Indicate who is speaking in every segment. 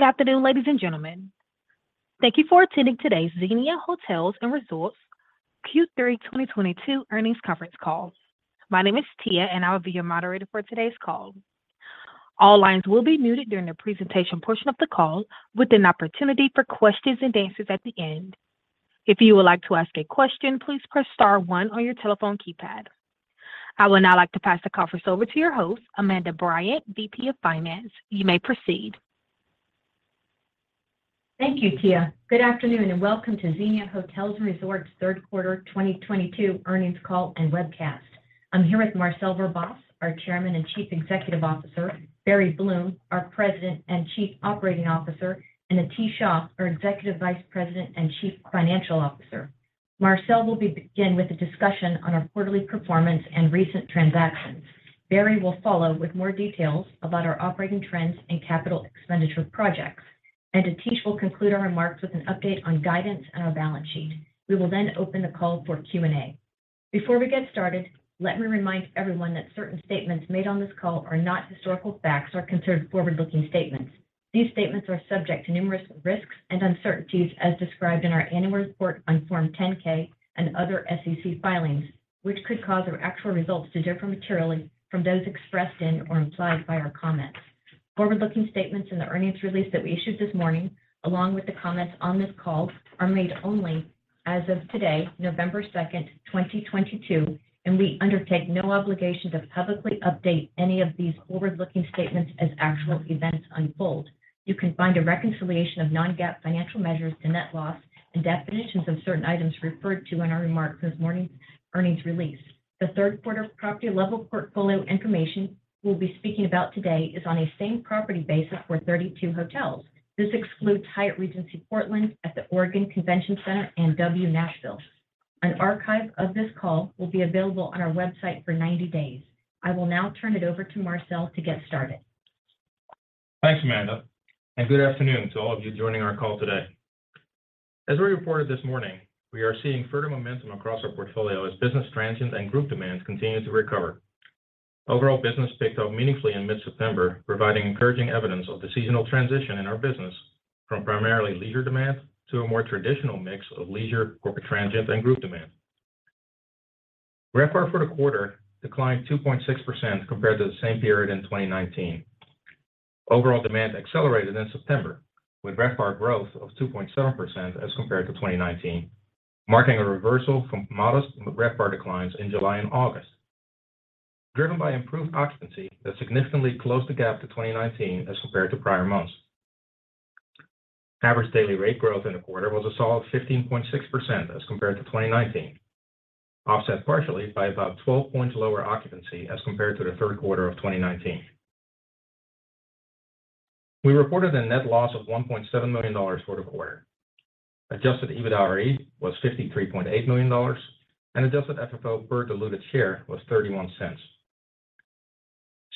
Speaker 1: Good afternoon, ladies and gentlemen. Thank you for attending today's Xenia Hotels & Resorts Q3 2022 earnings conference call. My name is Tia, and I will be your moderator for today's call. All lines will be muted during the presentation portion of the call, with an opportunity for questions and answers at the end. If you would like to ask a question, please press star one on your telephone keypad. I would now like to pass the conference over to your host, Amanda Bryant, VP of Finance. You may proceed.
Speaker 2: Thank you, Tia. Good afternoon, and welcome to Xenia Hotels & Resorts third quarter 2022 earnings call and webcast. I'm here with Marcel Verbaas, our Chairman and Chief Executive Officer, Barry Bloom, our President and Chief Operating Officer, and Atish Shah, our Executive Vice President and Chief Financial Officer. Marcel will begin with a discussion on our quarterly performance and recent transactions. Barry will follow with more details about our operating trends and capital expenditure projects. Atish will conclude our remarks with an update on guidance and our balance sheet. We will then open the call for Q&A. Before we get started, let me remind everyone that certain statements made on this call are not historical facts or considered forward-looking statements. These statements are subject to numerous risks and uncertainties as described in our annual report on Form 10-K and other SEC filings, which could cause our actual results to differ materially from those expressed in or implied by our comments. Forward-looking statements in the earnings release that we issued this morning, along with the comments on this call, are made only as of today, November 2, 2022, and we undertake no obligation to publicly update any of these forward-looking statements as actual events unfold. You can find a reconciliation of non-GAAP financial measures to net loss and definitions of certain items referred to in our remarks this morning's earnings release. The third quarter property level portfolio information we'll be speaking about today is on a same property basis for 32 hotels. This excludes Hyatt Regency Portland at the Oregon Convention Center and W Nashville. An archive of this call will be available on our website for 90 days. I will now turn it over to Marcel to get started.
Speaker 3: Thanks, Amanda, and good afternoon to all of you joining our call today. As we reported this morning, we are seeing further momentum across our portfolio as business transient and group demand continues to recover. Overall business picked up meaningfully in mid-September, providing encouraging evidence of the seasonal transition in our business from primarily leisure demand to a more traditional mix of leisure, corporate transient, and group demand. RevPAR for the quarter declined 2.6% compared to the same period in 2019. Overall demand accelerated in September with RevPAR growth of 2.7% as compared to 2019, marking a reversal from modest RevPAR declines in July and August, driven by improved occupancy that significantly closed the gap to 2019 as compared to prior months. Average daily rate growth in the quarter was a solid 15.6% as compared to 2019, offset partially by about 12 points lower occupancy as compared to the third quarter of 2019. We reported a net loss of $1.7 million for the quarter. Adjusted EBITDAre was $53.8 million, and adjusted FFO per diluted share was $0.31.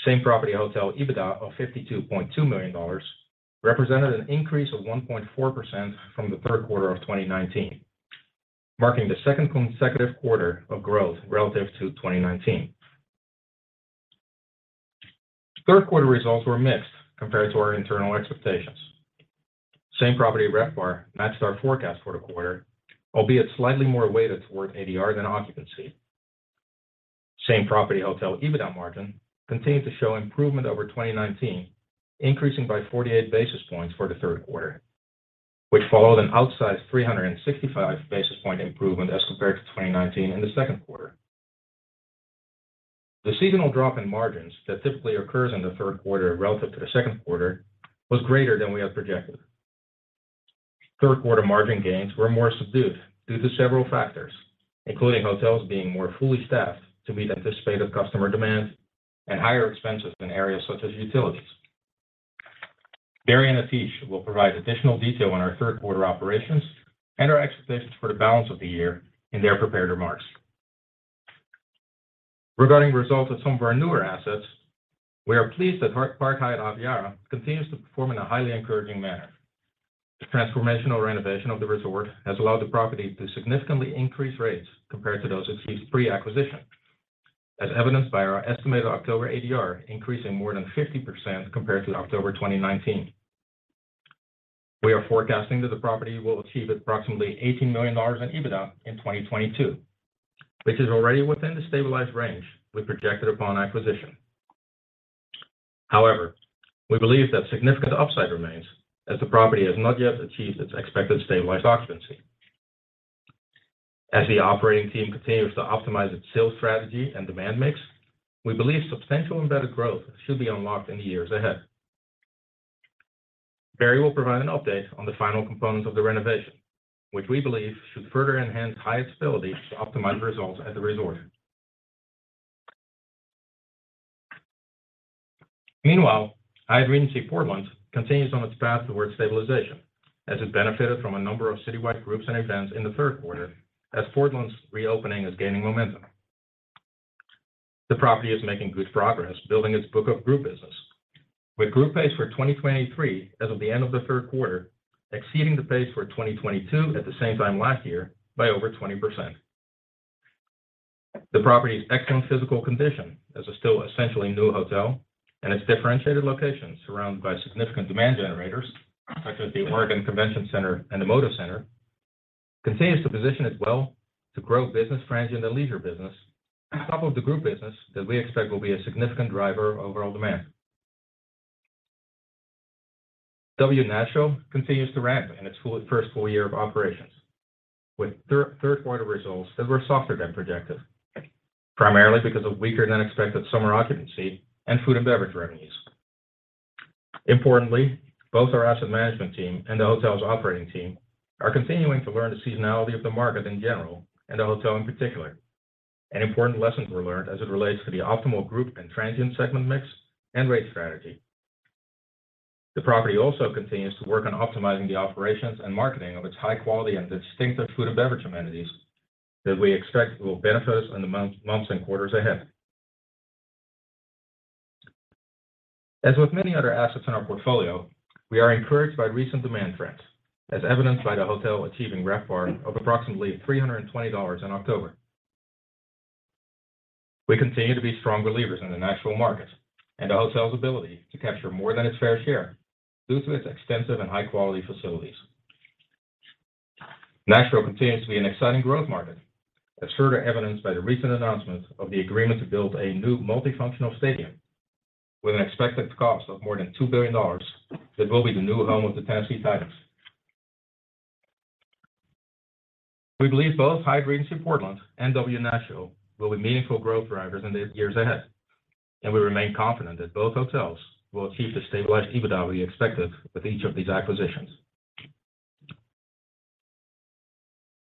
Speaker 3: Same property hotel EBITDA of $52.2 million represented an increase of 1.4% from the third quarter of 2019, marking the second consecutive quarter of growth relative to 2019. Third quarter results were mixed compared to our internal expectations. Same property RevPAR matched our forecast for the quarter, albeit slightly more weighted toward ADR than occupancy. Same property hotel EBITDA margin continued to show improvement over 2019, increasing by 48 basis points for the third quarter, which followed an outsized 365 basis point improvement as compared to 2019 in the second quarter. The seasonal drop in margins that typically occurs in the third quarter relative to the second quarter was greater than we had projected. Third quarter margin gains were more subdued due to several factors, including hotels being more fully staffed to meet anticipated customer demand and higher expenses in areas such as utilities. Barry and Atish will provide additional detail on our third quarter operations and our expectations for the balance of the year in their prepared remarks. Regarding results of some of our newer assets, we are pleased that Park Hyatt Aviara continues to perform in a highly encouraging manner. The transformational renovation of the resort has allowed the property to significantly increase rates compared to those achieved pre-acquisition, as evidenced by our estimated October ADR increasing more than 50% compared to October 2019. We are forecasting that the property will achieve approximately $18 million in EBITDA in 2022, which is already within the stabilized range we projected upon acquisition. However, we believe that significant upside remains as the property has not yet achieved its expected stabilized occupancy. As the operating team continues to optimize its sales strategy and demand mix, we believe substantial and better growth should be unlocked in the years ahead. Barry will provide an update on the final component of the renovation, which we believe should further enhance Hyatt's ability to optimize results at the resort. Meanwhile, Hyatt Regency Portland continues on its path towards stabilization as it benefited from a number of citywide groups and events in the third quarter as Portland's reopening is gaining momentum. The property is making good progress building its book of group business, with group pace for 2023 as of the end of the third quarter exceeding the pace for 2022 at the same time last year by over 20%. The property's excellent physical condition as a still essentially new hotel and its differentiated location surrounded by significant demand generators, such as the Oregon Convention Center and the Moda Center, continues to position it well to grow business transient and leisure business on top of the group business that we expect will be a significant driver of overall demand. W Nashville continues to ramp in its first full year of operations, with third quarter results that were softer than projected, primarily because of weaker than expected summer occupancy and food and beverage revenues. Importantly, both our asset management team and the hotel's operating team are continuing to learn the seasonality of the market in general and the hotel in particular, and important lessons were learned as it relates to the optimal group and transient segment mix and rate strategy. The property also continues to work on optimizing the operations and marketing of its high quality and distinctive food and beverage amenities that we expect will benefit us in the months and quarters ahead. As with many other assets in our portfolio, we are encouraged by recent demand trends, as evidenced by the hotel achieving RevPAR of approximately $320 in October. We continue to be strong believers in the Nashville market and the hotel's ability to capture more than its fair share due to its extensive and high-quality facilities. Nashville continues to be an exciting growth market, as further evidenced by the recent announcement of the agreement to build a new multifunctional stadium with an expected cost of more than $2 billion that will be the new home of the Tennessee Titans. We believe both Hyatt Regency Portland and W Nashville will be meaningful growth drivers in the years ahead, and we remain confident that both hotels will achieve the stabilized EBITDA we expected with each of these acquisitions.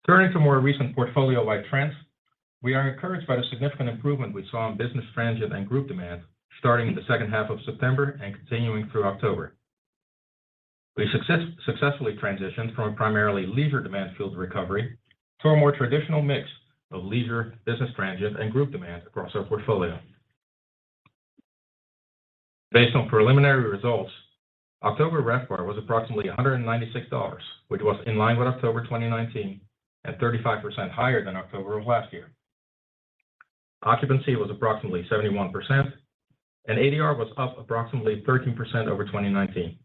Speaker 3: Turning to more recent portfolio-wide trends, we are encouraged by the significant improvement we saw in business transient and group demand starting in the second half of September and continuing through October. We successfully transitioned from a primarily leisure demand-fueled recovery to a more traditional mix of leisure, business transient, and group demand across our portfolio. Based on preliminary results, October RevPAR was approximately $196, which was in line with October 2019 and 35% higher than October of last year. Occupancy was approximately 71%, and ADR was up approximately 13% over 2019.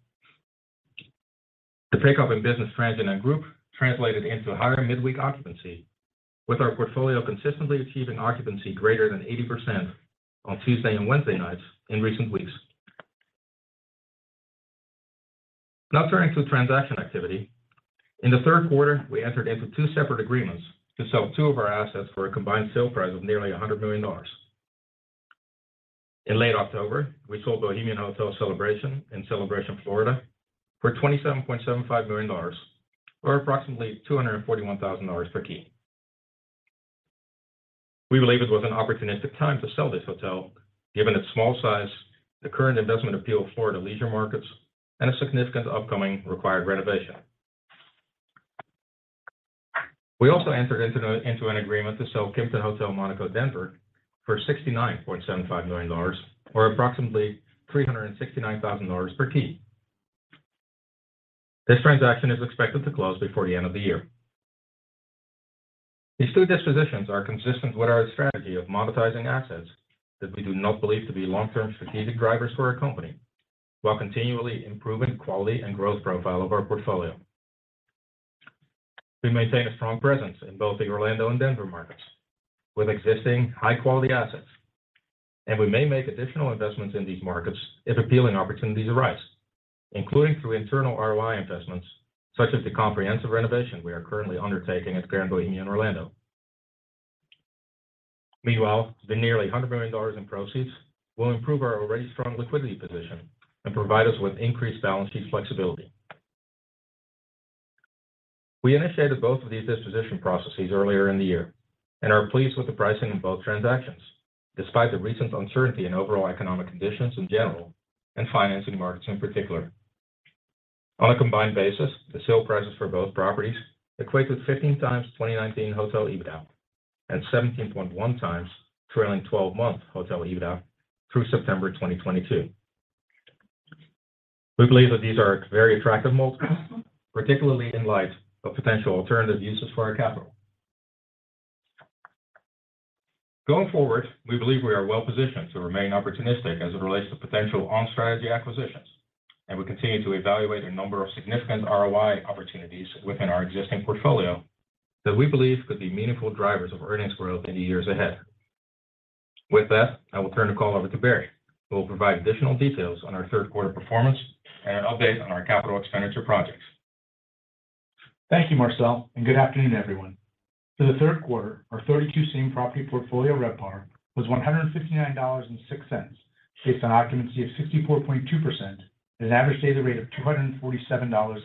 Speaker 3: The pickup in business transient and group translated into higher midweek occupancy, with our portfolio consistently achieving occupancy greater than 80% on Tuesday and Wednesday nights in recent weeks. Now turning to transaction activity. In the third quarter, we entered into two separate agreements to sell two of our assets for a combined sale price of nearly $100 million. In late October, we sold Bohemian Hotel Celebration in Celebration, Florida for $27.75 million, or approximately $241,000 per key. We believe it was an opportunistic time to sell this hotel, given its small size, the current investment appeal of Florida leisure markets, and a significant upcoming required renovation. We also entered into an agreement to sell Kimpton Hotel Monaco Denver for $69.75 million, or approximately $369,000 per key. This transaction is expected to close before the end of the year. These two dispositions are consistent with our strategy of monetizing assets that we do not believe to be long-term strategic drivers for our company while continually improving quality and growth profile of our portfolio. We maintain a strong presence in both the Orlando and Denver markets with existing high-quality assets, and we may make additional investments in these markets if appealing opportunities arise, including through internal ROI investments such as the comprehensive renovation we are currently undertaking at Grand Bohemian Orlando. Meanwhile, the nearly $100 million in proceeds will improve our already strong liquidity position and provide us with increased balance sheet flexibility. We initiated both of these disposition processes earlier in the year and are pleased with the pricing in both transactions, despite the recent uncertainty in overall economic conditions in general and financing markets in particular. On a combined basis, the sale prices for both properties equate to 15x 2019 hotel EBITDA and 17.1x trailing twelve-month hotel EBITDA through September 2022. We believe that these are very attractive multiples, particularly in light of potential alternative uses for our capital. Going forward, we believe we are well positioned to remain opportunistic as it relates to potential on-strategy acquisitions, and we continue to evaluate a number of significant ROI opportunities within our existing portfolio that we believe could be meaningful drivers of earnings growth in the years ahead. With that, I will turn the call over to Barry, who will provide additional details on our third quarter performance and an update on our capital expenditure projects.
Speaker 4: Thank you, Marcel, and good afternoon, everyone. For the third quarter, our 32 same-property portfolio RevPAR was $159.06, based on occupancy of 64.2% at an average daily rate of $247.74.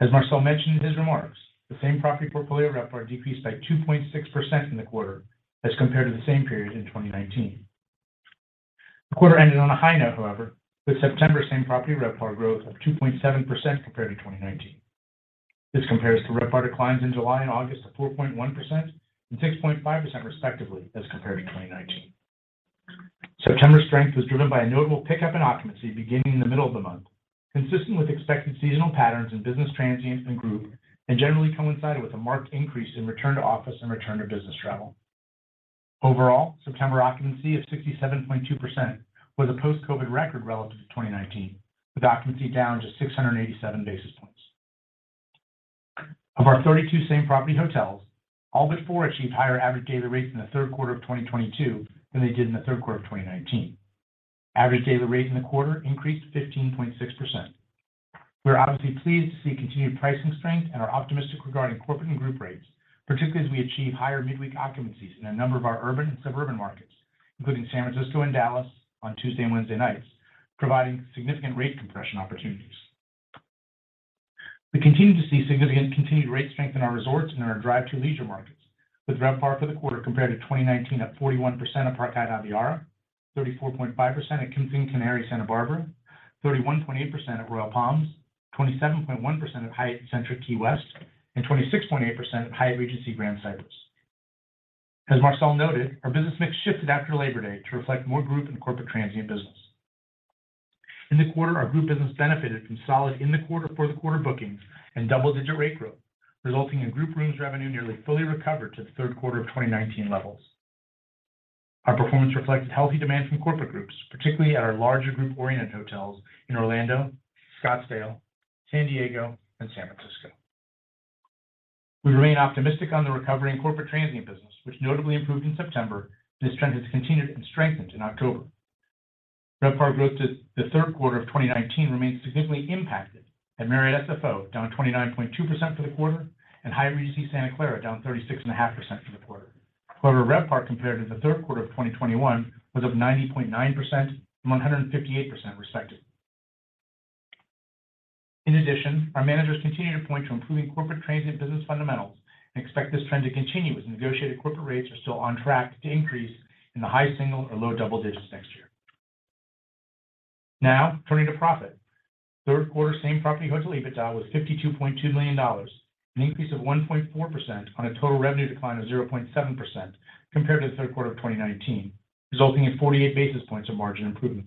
Speaker 4: As Marcel mentioned in his remarks, the same-property portfolio RevPAR decreased by 2.6% in the quarter as compared to the same period in 2019. The quarter ended on a high note, however, with September same-property RevPAR growth of 2.7% compared to 2019. This compares to RevPAR declines in July and August of 4.1% and 6.5% respectively as compared to 2019. September strength was driven by a notable pickup in occupancy beginning in the middle of the month, consistent with expected seasonal patterns in business transient and group, and generally coincided with a marked increase in return to office and return to business travel. Overall, September occupancy of 67.2% was a post-COVID record relative to 2019, with occupancy down just 687 basis points. Of our 32 same property hotels, all but four achieved higher average daily rates in the third quarter of 2022 than they did in the third quarter of 2019. Average daily rate in the quarter increased 15.6%. We are obviously pleased to see continued pricing strength and are optimistic regarding corporate and group rates, particularly as we achieve higher midweek occupancies in a number of our urban and suburban markets, including San Francisco and Dallas on Tuesday and Wednesday nights, providing significant rate compression opportunities. We continue to see significant continued rate strength in our resorts and in our drive to leisure markets, with RevPAR for the quarter compared to 2019 up 41% at Park Hyatt Aviara, 34.5% at Kimpton Canary Santa Barbara, 31.8% at Royal Palms, 27.1% at Hyatt Centric Key West, and 26.8% at Hyatt Regency Grand Cypress. As Marcel noted, our business mix shifted after Labor Day to reflect more group and corporate transient business. In the quarter, our group business benefited from solid bookings in the quarter and double-digit rate growth, resulting in group rooms revenue nearly fully recovered to the third quarter of 2019 levels. Our performance reflected healthy demand from corporate groups, particularly at our larger group-oriented hotels in Orlando, Scottsdale, San Diego, and San Francisco. We remain optimistic on the recovery in corporate transient business, which notably improved in September. This trend has continued and strengthened in October. RevPAR growth to the third quarter of 2019 remains significantly impacted, at Marriott SFO, down 29.2% for the quarter, and Hyatt Regency Santa Clara, down 36.5% for the quarter. However, RevPAR compared to the third quarter of 2021 was up 90.9% and 158% respectively. In addition, our managers continue to point to improving corporate transient business fundamentals and expect this trend to continue as negotiated corporate rates are still on track to increase in the high single or low double digits next year. Now, turning to profit. Third quarter same-property hotel EBITDA was $52.2 million, an increase of 1.4% on a total revenue decline of 0.7% compared to the third quarter of 2019, resulting in 48 basis points of margin improvement.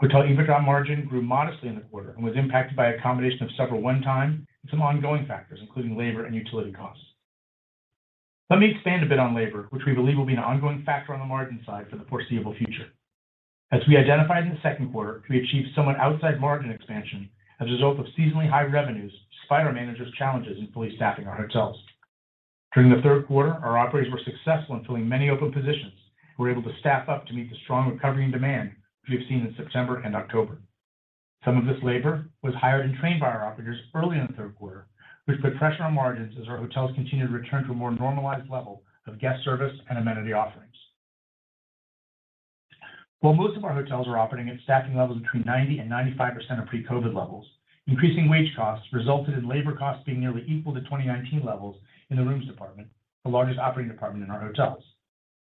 Speaker 4: Hotel EBITDA margin grew modestly in the quarter and was impacted by a combination of several one-time and some ongoing factors, including labor and utility costs. Let me expand a bit on labor, which we believe will be an ongoing factor on the margin side for the foreseeable future. As we identified in the second quarter, we achieved somewhat outside margin expansion as a result of seasonally high revenues despite our managers' challenges in fully staffing our hotels. During the third quarter, our operators were successful in filling many open positions and were able to staff up to meet the strong recovery and demand we've seen in September and October. Some of this labor was hired and trained by our operators early in the third quarter, which put pressure on margins as our hotels continued to return to a more normalized level of guest service and amenity offerings. While most of our hotels are operating at staffing levels between 90%-95% of pre-COVID levels, increasing wage costs resulted in labor costs being nearly equal to 2019 levels in the rooms department, the largest operating department in our hotels.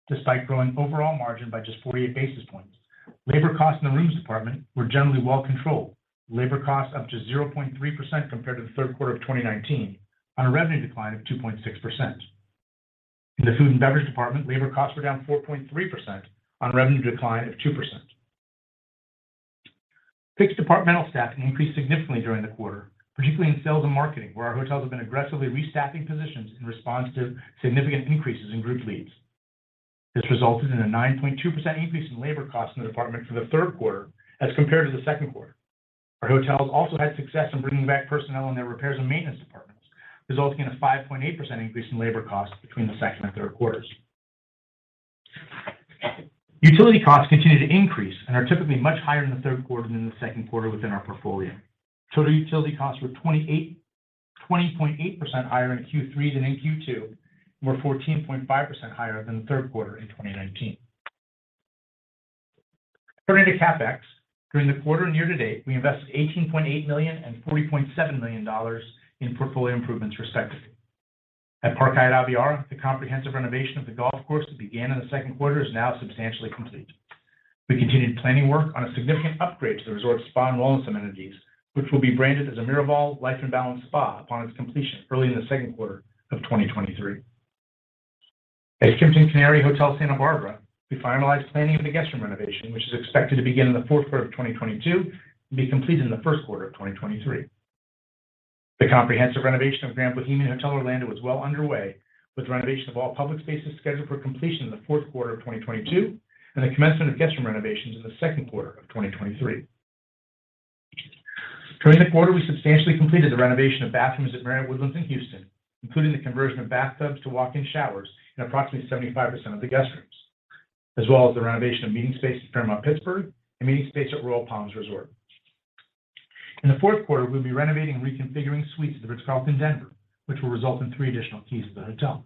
Speaker 4: Despite growing overall margin by just 48 basis points, labor costs in the rooms department were generally well controlled. Labor costs up 0.3% compared to the third quarter of 2019 on a revenue decline of 2.6%. In the food and beverage department, labor costs were down 4.3% on a revenue decline of 2%. Fixed departmental staffing increased significantly during the quarter, particularly in sales and marketing, where our hotels have been aggressively restaffing positions in response to significant increases in group leads. This resulted in a 9.2% increase in labor costs in the department for the third quarter as compared to the second quarter. Our hotels also had success in bringing back personnel in their repairs and maintenance departments, resulting in a 5.8% increase in labor costs between the second and third quarters. Utility costs continue to increase and are typically much higher in the third quarter than in the second quarter within our portfolio. Total utility costs were 20.8% higher in Q3 than in Q2, and were 14.5% higher than the third quarter in 2019. Turning to CapEx, during the quarter and year-to-date, we invested $18.8 million and $40.7 million in portfolio improvements, respectively. At Park Hyatt Aviara, the comprehensive renovation of the golf course that began in the second quarter is now substantially complete. We continued planning work on a significant upgrade to the resort's spa and wellness amenities, which will be branded as a Miraval Life in Balance Spa upon its completion early in the second quarter of 2023. At Kimpton Canary Hotel Santa Barbara, we finalized planning of the guest room renovation, which is expected to begin in the fourth quarter of 2022 and be completed in the first quarter of 2023. The comprehensive renovation of Grand Bohemian Hotel Orlando is well underway, with renovation of all public spaces scheduled for completion in the fourth quarter of 2022 and the commencement of guest room renovations in the second quarter of 2023. During the quarter, we substantially completed the renovation of bathrooms at The Woodlands Waterway Marriott Hotel & Convention Center, including the conversion of bathtubs to walk-in showers in approximately 75% of the guest rooms, as well as the renovation of meeting spaces at Fairmont Pittsburgh and meeting space at Royal Palms Resort and Spa. In the fourth quarter, we'll be renovating and reconfiguring suites at The Ritz-Carlton Denver, which will result in three additional keys to the hotel.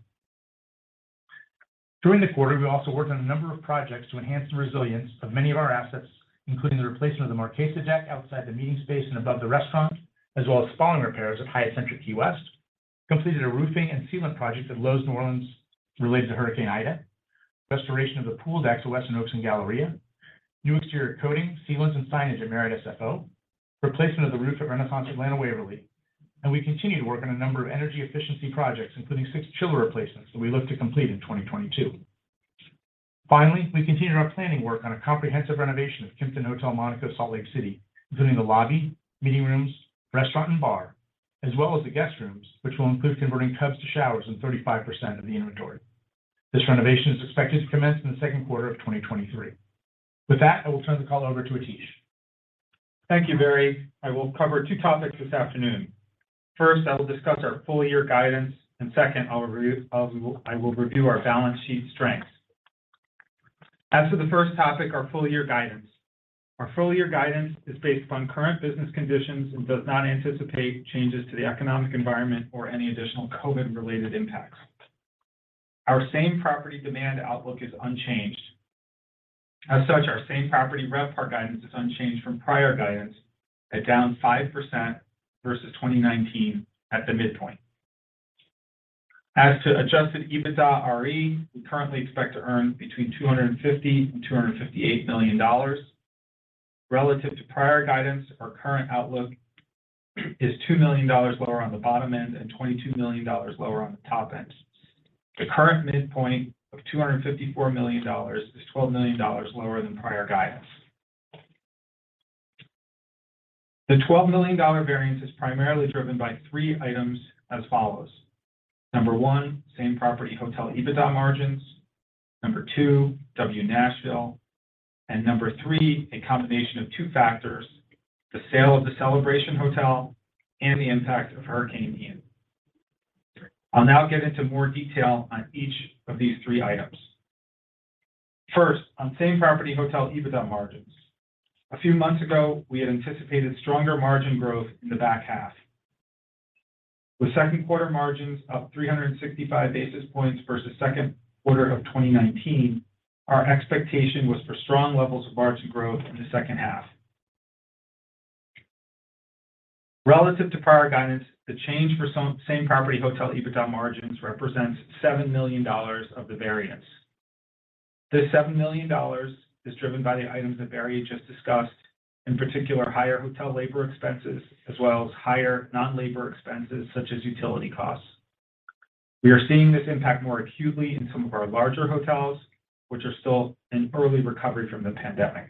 Speaker 4: During the quarter, we also worked on a number of projects to enhance the resilience of many of our assets, including the replacement of the Marquesa deck outside the meeting space and above the restaurant, as well as spalling repairs at Hyatt Centric Key West, completed a roofing and sealant project at Loews New Orleans related to Hurricane Ida, restoration of the pool deck at Westin Oaks Houston at the Galleria. New exterior coating, sealants and signage at Marriott SFO, replacement of the roof at Renaissance Atlanta Waverly, and we continue to work on a number of energy efficiency projects, including six chiller replacements that we look to complete in 2022. Finally, we continued our planning work on a comprehensive renovation of Kimpton Hotel Monaco Salt Lake City, including the lobby, meeting rooms, restaurant and bar, as well as the guest rooms, which will include converting tubs to showers in 35% of the inventory. This renovation is expected to commence in the second quarter of 2023. With that, I will turn the call over to Atish.
Speaker 5: Thank you, Barry. I will cover two topics this afternoon. First, I will discuss our full-year guidance, and second, I will review our balance sheet strengths. As to the first topic, our full-year guidance. Our full-year guidance is based upon current business conditions and does not anticipate changes to the economic environment or any additional COVID-related impacts. Our same-property demand outlook is unchanged. As such, our same-property RevPAR guidance is unchanged from prior guidance at down 5% versus 2019 at the midpoint. As to adjusted EBITDAre, we currently expect to earn between $250 million and $258 million. Relative to prior guidance, our current outlook is $2 million lower on the bottom end and $22 million lower on the top end. The current midpoint of $254 million is $12 million lower than prior guidance. The $12 million variance is primarily driven by three items as follows. Number one, same-property hotel EBITDA margins. Number two, W Nashville. Number three, a combination of two factors, the sale of the Celebration Hotel and the impact of Hurricane Ian. I'll now get into more detail on each of these three items. First, on same-property hotel EBITDA margins. A few months ago, we had anticipated stronger margin growth in the back half. With second quarter margins up 365 basis points versus second quarter of 2019, our expectation was for strong levels of margin growth in the second half. Relative to prior guidance, the change for same-property hotel EBITDA margins represents $7 million of the variance. This $7 million is driven by the items that Barry just discussed, in particular, higher hotel labor expenses, as well as higher non-labor expenses such as utility costs. We are seeing this impact more acutely in some of our larger hotels, which are still in early recovery from the pandemic.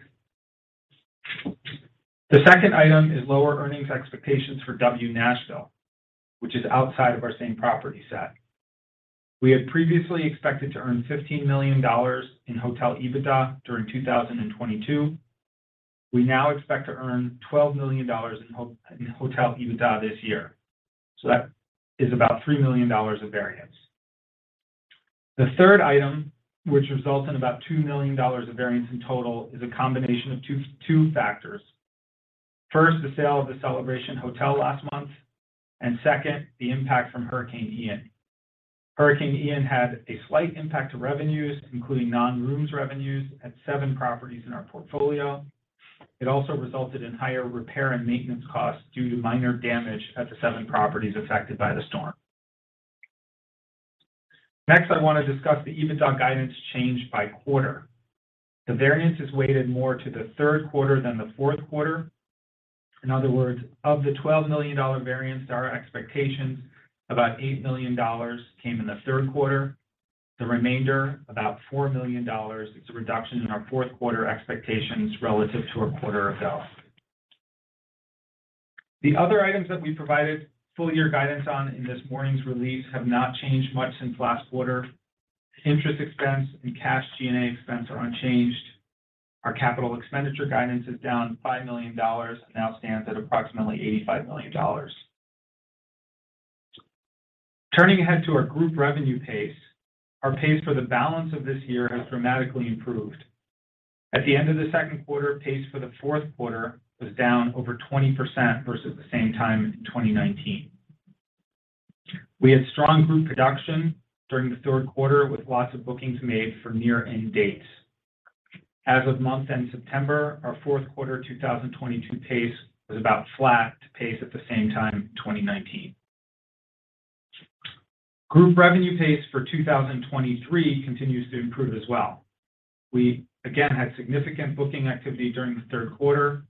Speaker 5: The second item is lower earnings expectations for W Nashville, which is outside of our same property set. We had previously expected to earn $15 million in hotel EBITDA during 2022. We now expect to earn $12 million in hotel EBITDA this year. That is about $3 million of variance. The third item, which results in about $2 million of variance in total, is a combination of two factors. First, the sale of the Bohemian Hotel Celebration last month, and second, the impact from Hurricane Ian. Hurricane Ian had a slight impact to revenues, including non-rooms revenues at seven properties in our portfolio. It also resulted in higher repair and maintenance costs due to minor damage at the seven properties affected by the storm. Next, I want to discuss the EBITDA guidance change by quarter. The variance is weighted more to the third quarter than the fourth quarter. In other words, of the $12 million variance to our expectations, about $8 million came in the third quarter. The remainder, about $4 million, is a reduction in our fourth quarter expectations relative to a quarter ago. The other items that we provided full year guidance on in this morning's release have not changed much since last quarter. Interest expense and cash G&A expense are unchanged. Our capital expenditure guidance is down $5 million and now stands at approximately $85 million. Turning ahead to our group revenue pace. Our pace for the balance of this year has dramatically improved. At the end of the second quarter, pace for the fourth quarter was down over 20% versus the same time in 2019. We had strong group production during the third quarter with lots of bookings made for near end dates. As of month end September, our fourth quarter 2022 pace was about flat to pace at the same time in 2019. Group revenue pace for 2023 continues to improve as well. We again had significant booking activity during the third quarter,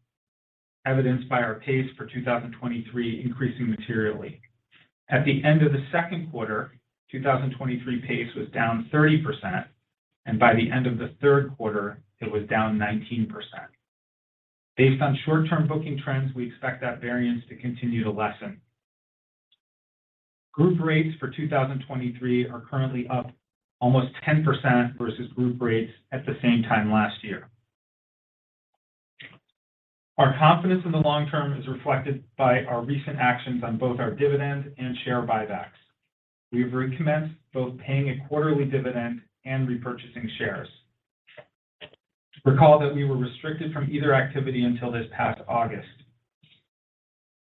Speaker 5: evidenced by our pace for 2023 increasing materially. At the end of the second quarter, 2023 pace was down 30%, and by the end of the third quarter, it was down 19%. Based on short-term booking trends, we expect that variance to continue to lessen. Group rates for 2023 are currently up almost 10% versus group rates at the same time last year. Our confidence in the long term is reflected by our recent actions on both our dividend and share buybacks. We have recommenced both paying a quarterly dividend and repurchasing shares. Recall that we were restricted from either activity until this past August.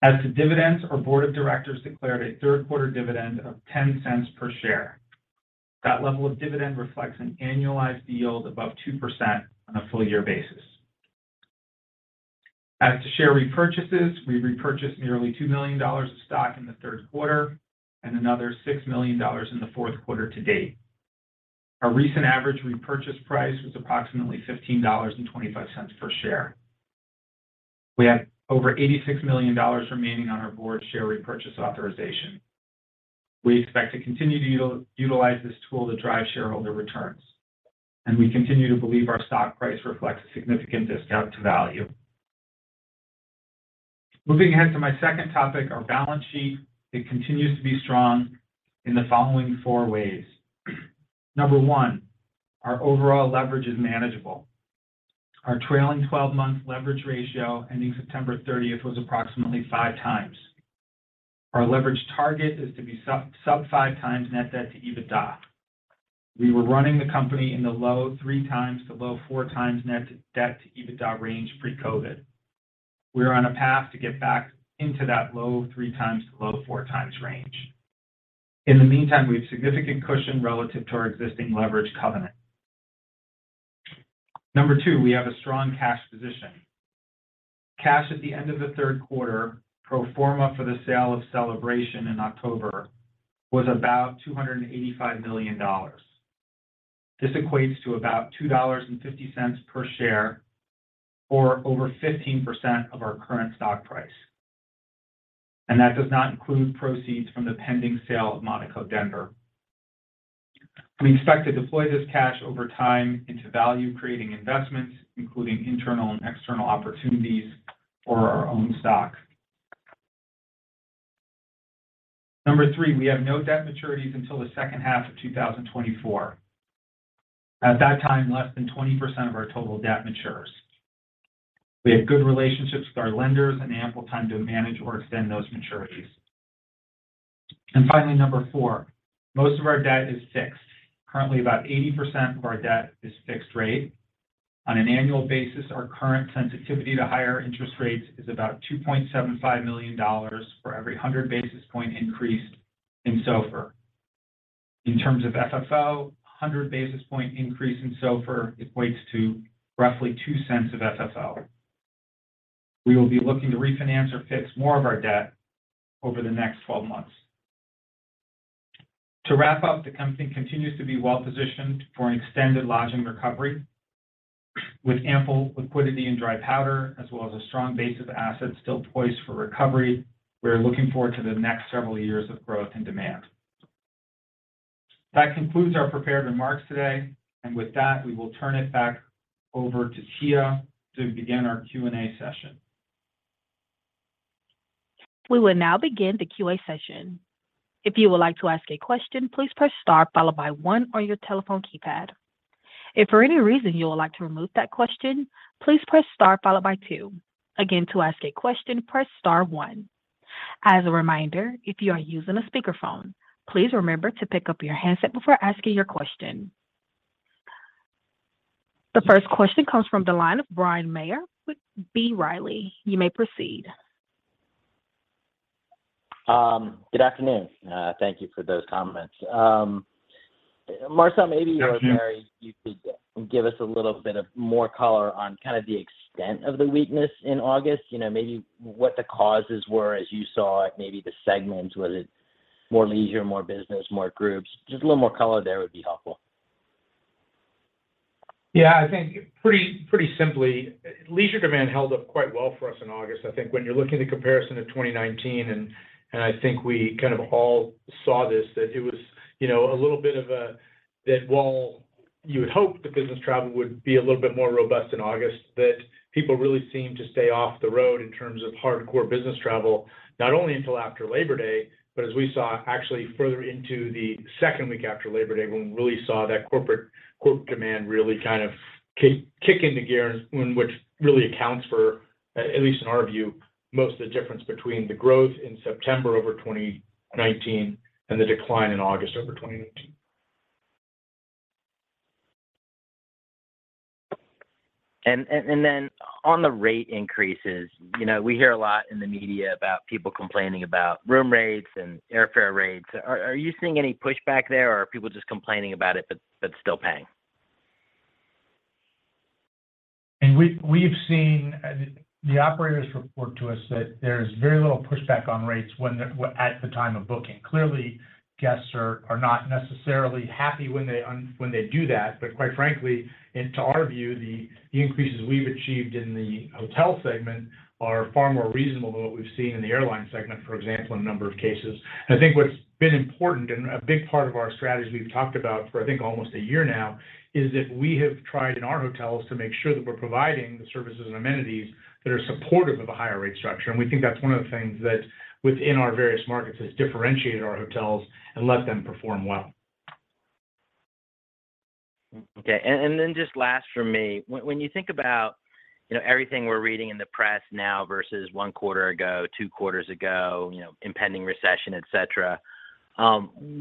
Speaker 5: As to dividends, our board of directors declared a third quarter dividend of $0.10 per share. That level of dividend reflects an annualized yield above 2% on a full year basis. As to share repurchases, we repurchased nearly $2 million of stock in the third quarter and another $6 million in the fourth quarter to date. Our recent average repurchase price was approximately $15.25 per share. We have over $86 million remaining on our board share repurchase authorization. We expect to continue to utilize this tool to drive shareholder returns, and we continue to believe our stock price reflects a significant discount to value. Moving ahead to my second topic, our balance sheet, it continues to be strong in the following four ways. Number one, our overall leverage is manageable. Our trailing twelve-month leverage ratio ending September thirtieth was approximately 5x. Our leverage target is to be sub-5x net debt to EBITDA. We were running the company in the low 3x-low 4x net debt to EBITDA range pre-COVID. We are on a path to get back into that low 3x-low 4x range. In the meantime, we have significant cushion relative to our existing leverage covenant. Number two, we have a strong cash position. Cash at the end of the third quarter, pro forma for the sale of Celebration in October, was about $285 million. This equates to about $2.50 per share or over 15% of our current stock price. That does not include proceeds from the pending sale of Monaco Denver. We expect to deploy this cash over time into value-creating investments, including internal and external opportunities for our own stock. Number three, we have no debt maturities until the second half of 2024. At that time, less than 20% of our total debt matures. We have good relationships with our lenders and ample time to manage or extend those maturities. Finally, number four, most of our debt is fixed. Currently, about 80% of our debt is fixed rate. On an annual basis, our current sensitivity to higher interest rates is about $2.75 million for every 100 basis point increase in SOFR. In terms of FFO, a 100 basis point increase in SOFR equates to roughly $0.02 of FFO. We will be looking to refinance or fix more of our debt over the next 12 months. To wrap up, the company continues to be well-positioned for an extended lodging recovery. With ample liquidity and dry powder, as well as a strong base of assets still poised for recovery, we are looking forward to the next several years of growth and demand. That concludes our prepared remarks today. With that, we will turn it back over to Tia to begin our Q&A session.
Speaker 1: We will now begin the Q&A session. If you would like to ask a question, please press star followed by one on your telephone keypad. If for any reason you would like to remove that question, please press star followed by two. Again, to ask a question, press star one. As a reminder, if you are using a speakerphone, please remember to pick up your handset before asking your question. The first question comes from the line of Bryan Maher with B. Riley. You may proceed.
Speaker 6: Good afternoon. Thank you for those comments. Marcel, maybe or Barry, you could give us a little bit of more color on kind of the extent of the weakness in August. You know, maybe what the causes were as you saw it, maybe the segments, was it more leisure, more business, more groups? Just a little more color there would be helpful.
Speaker 5: Yeah, I think pretty simply, leisure demand held up quite well for us in August. I think when you're looking at the comparison of 2019 and I think we kind of all saw this, that it was, you know, that while you would hope the business travel would be a little bit more robust in August, that people really seemed to stay off the road in terms of hardcore business travel, not only until after Labor Day, but as we saw actually further into the second week after Labor Day when we really saw that corporate quote demand really kind of kick into gear and which really accounts for, at least in our view, most of the difference between the growth in September over 2019 and the decline in August over 2019.
Speaker 6: Then on the rate increases, you know, we hear a lot in the media about people complaining about room rates and airfare rates. Are you seeing any pushback there, or are people just complaining about it but still paying?
Speaker 5: We've seen the operators report to us that there's very little pushback on rates at the time of booking. Clearly, guests are not necessarily happy when they do that. Quite frankly and, to our view, the increases we've achieved in the hotel segment are far more reasonable than what we've seen in the airline segment, for example, in a number of cases. I think what's been important and a big part of our strategy we've talked about for I think almost a year now is that we have tried in our hotels to make sure that we're providing the services and amenities that are supportive of a higher rate structure. We think that's one of the things that within our various markets has differentiated our hotels and let them perform well.
Speaker 6: Okay. Then just last for me. When you think about, you know, everything we're reading in the press now versus one quarter ago, two quarters ago, you know, impending recession, et cetera,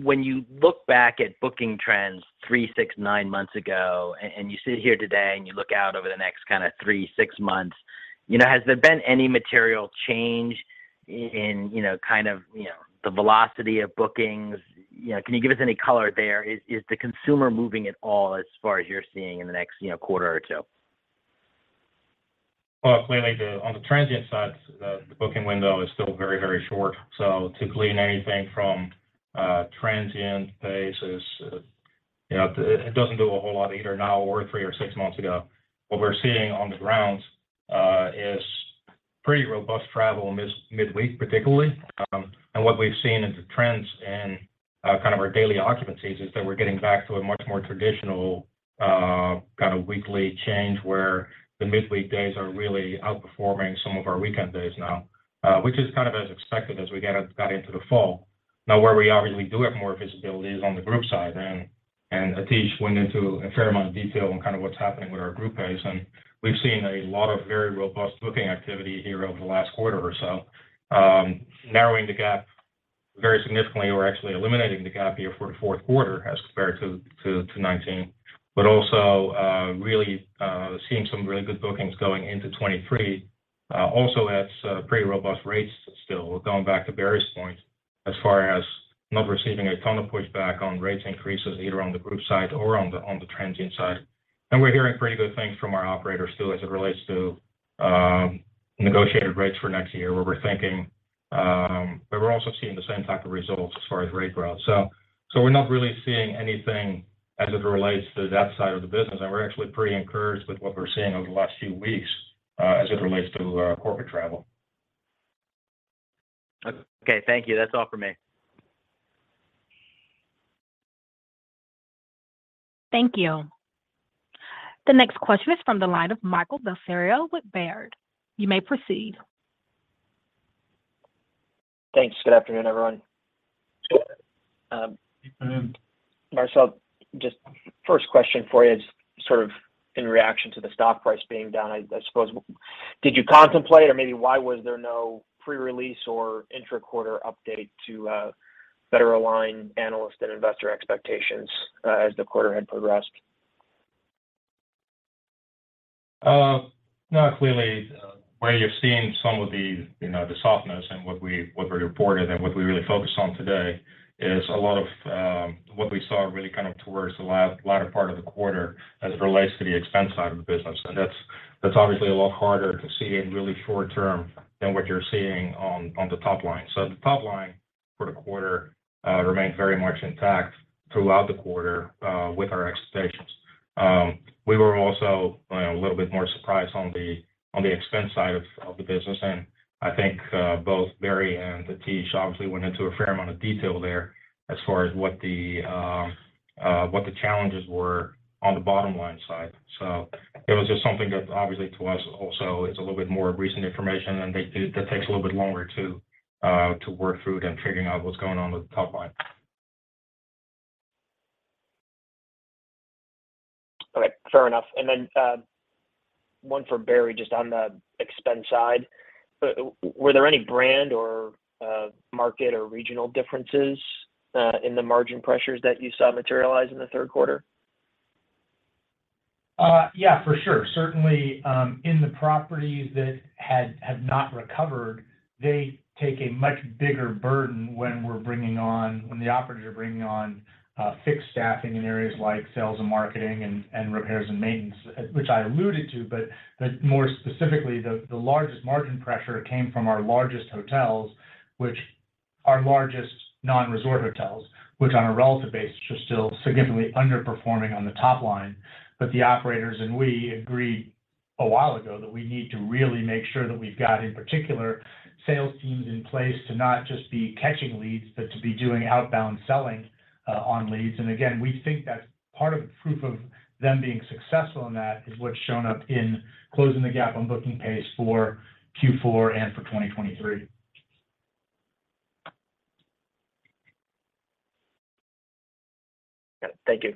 Speaker 6: when you look back at booking trends three, six, nine months ago and you sit here today and you look out over the next kind of three, six months, you know, has there been any material change? In you know, kind of, you know, the velocity of bookings, you know, can you give us any color there? Is the consumer moving at all as far as you're seeing in the next, you know, quarter or two?
Speaker 3: Well, clearly on the transient side, the booking window is still very, very short. To glean anything from a transient base is, you know, it doesn't do a whole lot either now or three or six months ago. What we're seeing on the grounds is pretty robust travel midweek particularly. And what we've seen is the trends in kind of our daily occupancies is that we're getting back to a much more traditional kind of weekly change where the midweek days are really outperforming some of our weekend days now, which is kind of as expected as we got into the fall. Now, where we obviously do have more visibility is on the group side. Atish went into a fair amount of detail on kind of what's happening with our group pace, and we've seen a lot of very robust booking activity here over the last quarter or so, narrowing the gap very significantly. We're actually eliminating the gap here for fourth quarter as compared to 2019. Really seeing some really good bookings going into 2023, also at pretty robust rates still. Going back to Barry's point, as far as not receiving a ton of pushback on rates increases either on the group side or on the transient side. We're hearing pretty good things from our operators too, as it relates to negotiated rates for next year, where we're thinking. We're also seeing the same type of results as far as rate growth. We're not really seeing anything as it relates to that side of the business. We're actually pretty encouraged with what we're seeing over the last few weeks, as it relates to corporate travel.
Speaker 4: Okay. Thank you. That's all for me.
Speaker 1: Thank you. The next question is from the line of Michael Bellisario with Baird. You may proceed.
Speaker 7: Thanks. Good afternoon, everyone.
Speaker 3: Good afternoon.
Speaker 7: Marcel, just first question for you is sort of in reaction to the stock price being down, I suppose. Did you contemplate or maybe why was there no pre-release or intra-quarter update to better align analyst and investor expectations as the quarter had progressed?
Speaker 3: No. Clearly, where you're seeing some of the, you know, the softness and what we reported and what we really focused on today is a lot of what we saw really kind of towards the latter part of the quarter as it relates to the expense side of the business. That's obviously a lot harder to see in really short term than what you're seeing on the top line. The top line for the quarter remained very much intact throughout the quarter with our expectations. We were also a little bit more surprised on the expense side of the business. I think both Barry and Atish obviously went into a fair amount of detail there as far as what the challenges were on the bottom line side. It was just something that obviously to us also is a little bit more recent information, and that takes a little bit longer to work through than figuring out what's going on with the top line.
Speaker 7: Okay, fair enough. One for Barry, just on the expense side. Were there any brand or market or regional differences in the margin pressures that you saw materialize in the third quarter?
Speaker 4: Yeah, for sure. Certainly, in the properties that have not recovered, they take a much bigger burden when the operators are bringing on fixed staffing in areas like sales and marketing and repairs and maintenance, which I alluded to. More specifically, the largest margin pressure came from our largest hotels, which are largest non-resort hotels, which on a relative basis, are still significantly underperforming on the top line. The operators and we agreed a while ago that we need to really make sure that we've got, in particular, sales teams in place to not just be catching leads, but to be doing outbound selling on leads. Again, we think that part of the proof of them being successful in that is what's shown up in closing the gap on booking pace for Q4 and for 2023.
Speaker 7: Thank you.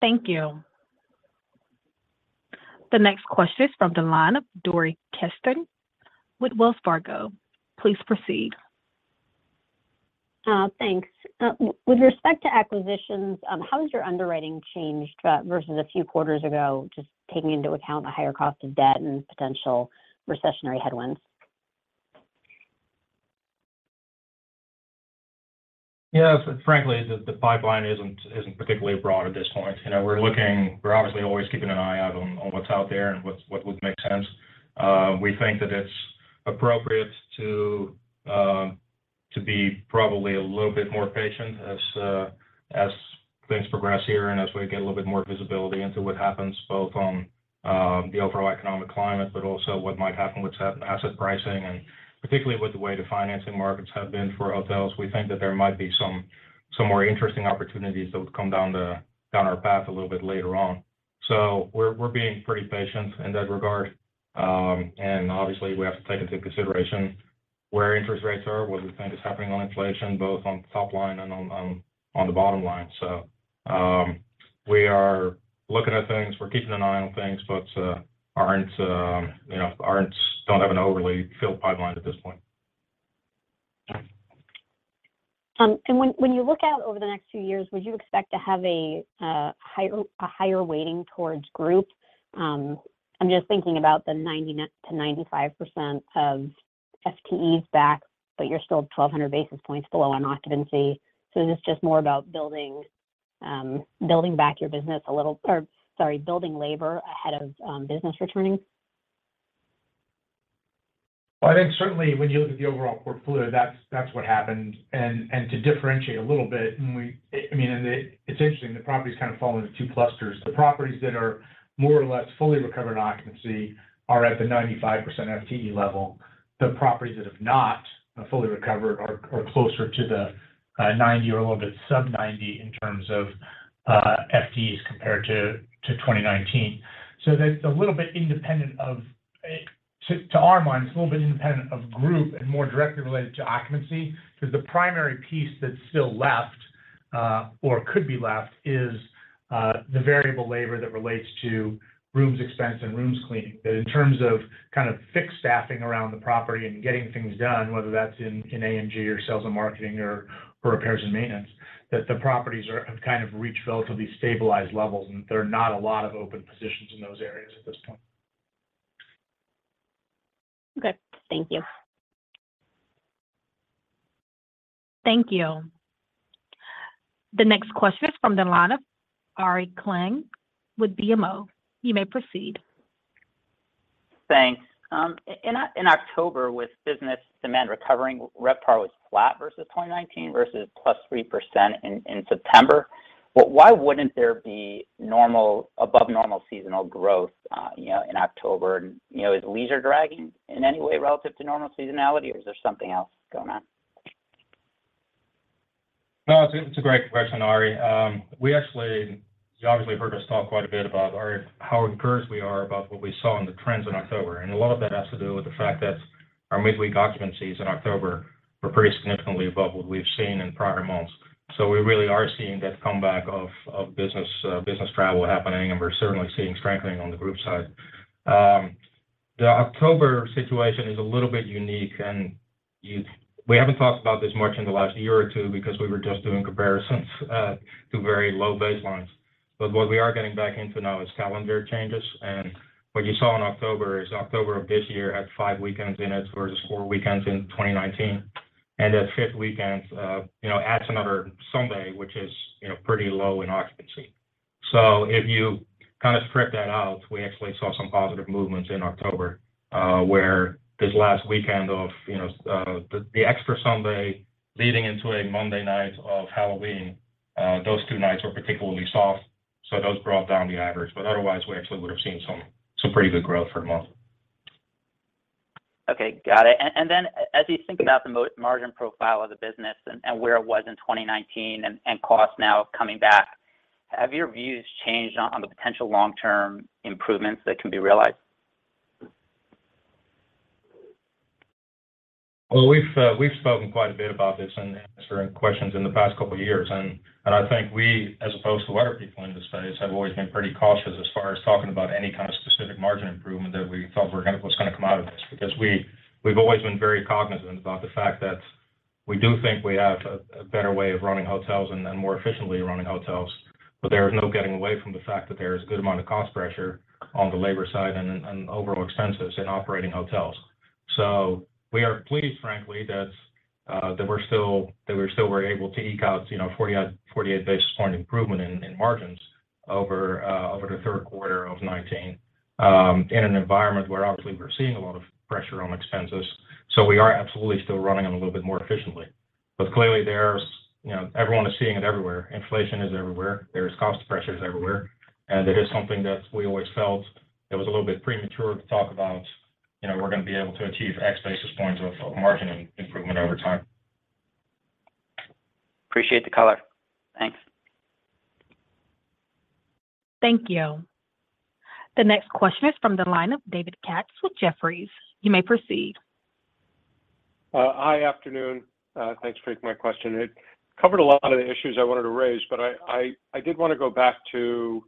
Speaker 1: Thank you. The next question is from the line of Dori Kesten with Wells Fargo. Please proceed.
Speaker 8: Thanks. With respect to acquisitions, how has your underwriting changed versus a few quarters ago, just taking into account the higher cost of debt and potential recessionary headwinds?
Speaker 3: Yeah, frankly, the pipeline isn't particularly broad at this point. You know, we're obviously always keeping an eye out on what's out there and what would make sense. We think that it's appropriate to be probably a little bit more patient as things progress here and as we get a little bit more visibility into what happens both on the overall economic climate, but also what might happen with asset pricing, and particularly with the way the financing markets have been for hotels. We think that there might be some more interesting opportunities that would come down our path a little bit later on. We're being pretty patient in that regard. Obviously, we have to take into consideration where interest rates are, what we think is happening on inflation, both on the top line and on the bottom line. We are looking at things. We're keeping an eye on things, but don't have an overly filled pipeline at this point.
Speaker 8: When you look out over the next few years, would you expect to have a higher weighting towards group? I'm just thinking about the 99%-95% of FTEs back, but you're still 1,200 basis points below on occupancy. Is this just more about building back your business a little? Or, sorry, building labor ahead of business returning?
Speaker 5: I think certainly when you look at the overall portfolio, that's what happened. To differentiate a little bit, I mean, it's interesting, the properties kind of fall into two clusters. The properties that are more or less fully recovered on occupancy are at the 95% FTE level. The properties that have not fully recovered are closer to the 90 or a little bit sub-90 in terms of FTEs compared to 2019. That's a little bit independent of, to our minds, a little bit independent of group and more directly related to occupancy. 'Cause the primary piece that's still left or could be left is the variable labor that relates to rooms expense and rooms cleaning. That in terms of kind of fixed staffing around the property and getting things done, whether that's in A&G or sales and marketing or repairs and maintenance, that the properties have kind of reached relatively stabilized levels, and there are not a lot of open positions in those areas at this point.
Speaker 8: Okay. Thank you.
Speaker 1: Thank you. The next question is from the line of Ari Klein with BMO. You may proceed.
Speaker 9: Thanks. In October, with business demand recovering, RevPAR was flat versus 2019 versus +3% in September. Why wouldn't there be normal above normal seasonal growth, you know, in October? You know, is leisure dragging in any way relative to normal seasonality, or is there something else going on?
Speaker 3: No, it's a great question, Ari. You obviously heard us talk quite a bit about how encouraged we are about what we saw in the trends in October. A lot of that has to do with the fact that our midweek occupancies in October were pretty significantly above what we've seen in prior months. We really are seeing that comeback of business travel happening, and we're certainly seeing strengthening on the group side. The October situation is a little bit unique, and we haven't talked about this much in the last year or two because we were just doing comparisons to very low baselines. What we are getting back into now is calendar changes, and what you saw in October is October of this year had five weekends in it versus four weekends in 2019. That fifth weekend, you know, adds another Sunday, which is, you know, pretty low in occupancy. If you kind of strip that out, we actually saw some positive movements in October, where this last weekend of, you know, the extra Sunday leading into a Monday night of Halloween, those two nights were particularly soft, so those brought down the average. Otherwise, we actually would have seen some pretty good growth for the month.
Speaker 9: Okay. Got it. As you think about the margin profile of the business and where it was in 2019 and costs now coming back, have your views changed on the potential long-term improvements that can be realized?
Speaker 3: Well, we've spoken quite a bit about this in answering questions in the past couple years. I think we, as opposed to other people in this space, have always been pretty cautious as far as talking about any kind of specific margin improvement that we felt was gonna come out of this. Because we've always been very cognizant about the fact that we do think we have a better way of running hotels and more efficiently running hotels. There is no getting away from the fact that there is a good amount of cost pressure on the labor side and overall expenses in operating hotels. We are pleased, frankly, that we were still able to eke out, you know, 48 basis points improvement in margins over the third quarter of 2019, in an environment where obviously we're seeing a lot of pressure on expenses. We are absolutely still running them a little bit more efficiently. Clearly there's, you know, everyone is seeing it everywhere. Inflation is everywhere. There is cost pressures everywhere. It is something that we always felt it was a little bit premature to talk about, you know, we're gonna be able to achieve X basis points of margin improvement over time.
Speaker 9: Appreciate the color. Thanks.
Speaker 1: Thank you. The next question is from the line of David Katz with Jefferies. You may proceed.
Speaker 10: Hi. Afternoon. Thanks for taking my question. It covered a lot of the issues I wanted to raise, but I did wanna go back to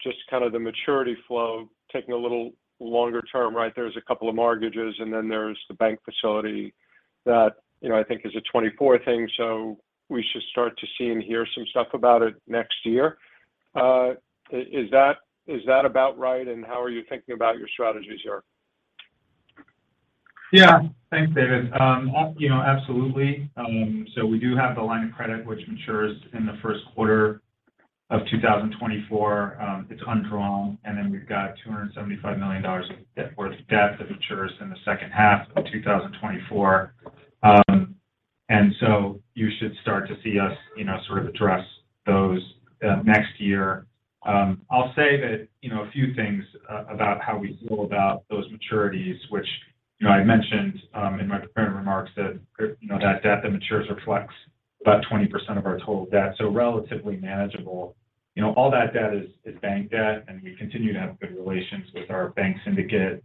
Speaker 10: just kind of the maturity flow, taking a little longer term, right? There's a couple of mortgages, and then there's the bank facility that, you know, I think is a 24 thing, so we should start to see and hear some stuff about it next year. Is that about right, and how are you thinking about your strategies here?
Speaker 5: Yeah. Thanks, David. You know, absolutely. We do have the line of credit which matures in the first quarter of 2024. It's undrawn, and then we've got $275 million worth of debt that matures in the second half of 2024. You should start to see us, you know, sort of address those next year. I'll say that, you know, a few things about how we feel about those maturities, which, you know, I mentioned in my prepared remarks that, you know, that debt that matures reflects about 20% of our total debt, so relatively manageable. You know, all that debt is bank debt, and we continue to have good relations with our bank syndicate.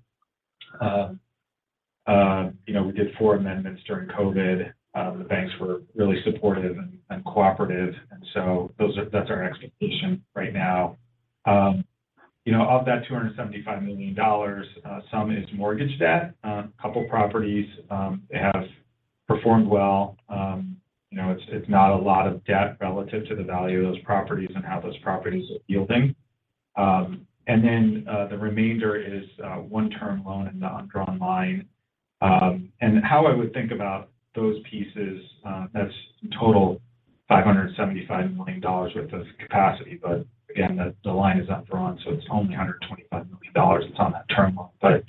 Speaker 5: You know, we did four amendments during COVID. The banks were really supportive and cooperative. That's our expectation right now. You know, of that $275 million, some is mortgage debt. A couple of properties have performed well. You know, it's not a lot of debt relative to the value of those properties and how those properties are yielding. And then, the remainder is one term loan and undrawn line. And how I would think about those pieces, that's total $575 million worth of capacity. But again, the line is undrawn, so it's only $125 million that's on that term loan. But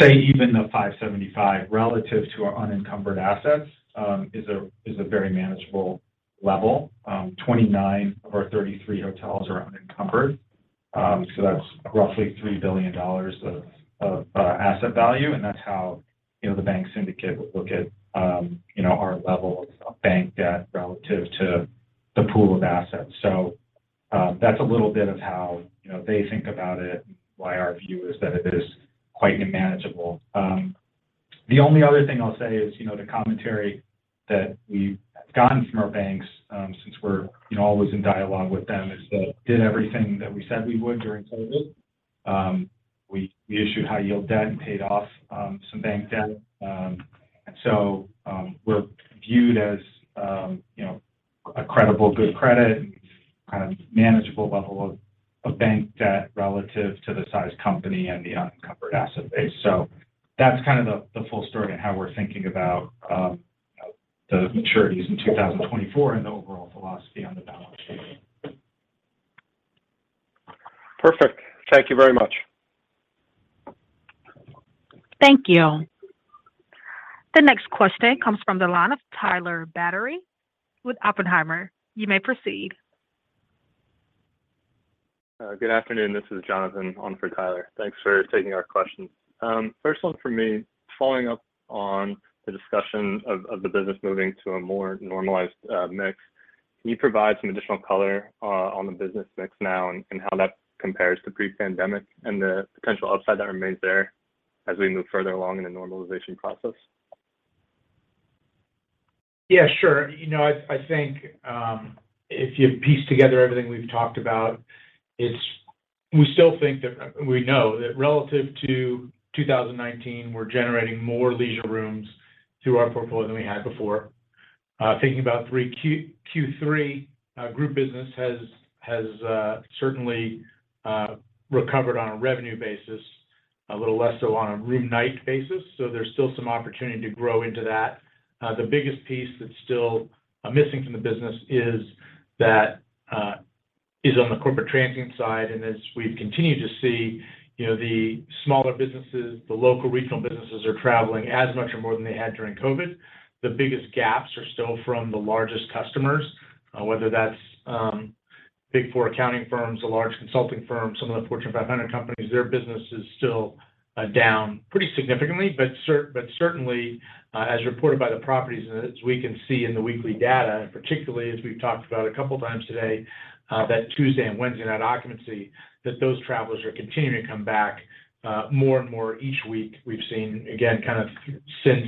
Speaker 5: say even the $575 relative to our unencumbered assets is a very manageable level. 29 of our 33 hotels are unencumbered, so that's roughly $3 billion of asset value, and that's how, you know, the bank syndicate would look at, you know, our level of bank debt relative to the pool of assets. That's a little bit of how, you know, they think about it and why our view is that it is quite manageable. The only other thing I'll say is, you know, the commentary that we've gotten from our banks, since we're, you know, always in dialogue with them, is that we did everything that we said we would during COVID. We issued high yield debt and paid off some bank debt. We're viewed as, you know, a credible good credit and kind of manageable level of bank debt relative to the size of the company and the unencumbered asset base. That's kind of the full story on how we're thinking about the maturities in 2024 and the overall philosophy on the balance sheet.
Speaker 10: Perfect. Thank you very much.
Speaker 1: Thank you. The next question comes from the line of Tyler Batory with Oppenheimer. You may proceed.
Speaker 11: Good afternoon. This is Jonathan on for Tyler. Thanks for taking our questions. First one for me, following up on the discussion of the business moving to a more normalized mix, can you provide some additional color on the business mix now and how that compares to pre-pandemic and the potential upside that remains there as we move further along in the normalization process?
Speaker 5: Yeah, sure. You know, I think, if you piece together everything we've talked about, we know that relative to 2019, we're generating more leisure rooms through our portfolio than we had before. Thinking about Q3, group business has certainly recovered on a revenue basis, a little less so on a room night basis. So there's still some opportunity to grow into that. The biggest piece that's still missing from the business is on the corporate transient side. As we've continued to see, you know, the smaller businesses, the local regional businesses are traveling as much or more than they had during COVID. The biggest gaps are still from the largest customers, whether that's Big Four accounting firms, the large consulting firms, some of the Fortune 500 companies, their business is still down pretty significantly. Certainly, as reported by the properties, as we can see in the weekly data, and particularly as we've talked about a couple of times today, that Tuesday and Wednesday, that occupancy, those travelers are continuing to come back more and more each week. We've seen, again, kind of since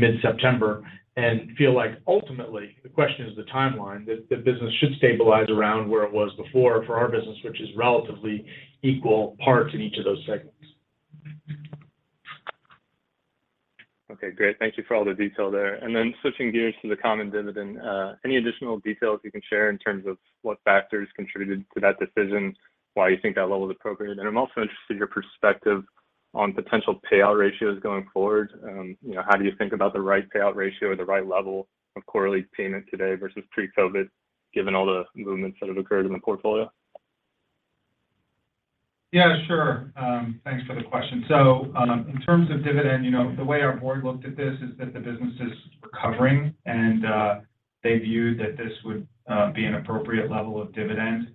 Speaker 5: mid-September and feel like ultimately the question is the timeline that the business should stabilize around where it was before for our business, which is relatively equal parts in each of those segments.
Speaker 11: Okay, great. Thank you for all the detail there. Switching gears to the common dividend, any additional details you can share in terms of what factors contributed to that decision, why you think that level is appropriate? I'm also interested in your perspective on potential payout ratios going forward. You know, how do you think about the right payout ratio or the right level of quarterly payment today versus pre-COVID, given all the movements that have occurred in the portfolio?
Speaker 5: Yeah, sure. Thanks for the question. In terms of dividend, you know, the way our board looked at this is that the business is recovering and they viewed that this would be an appropriate level of dividend,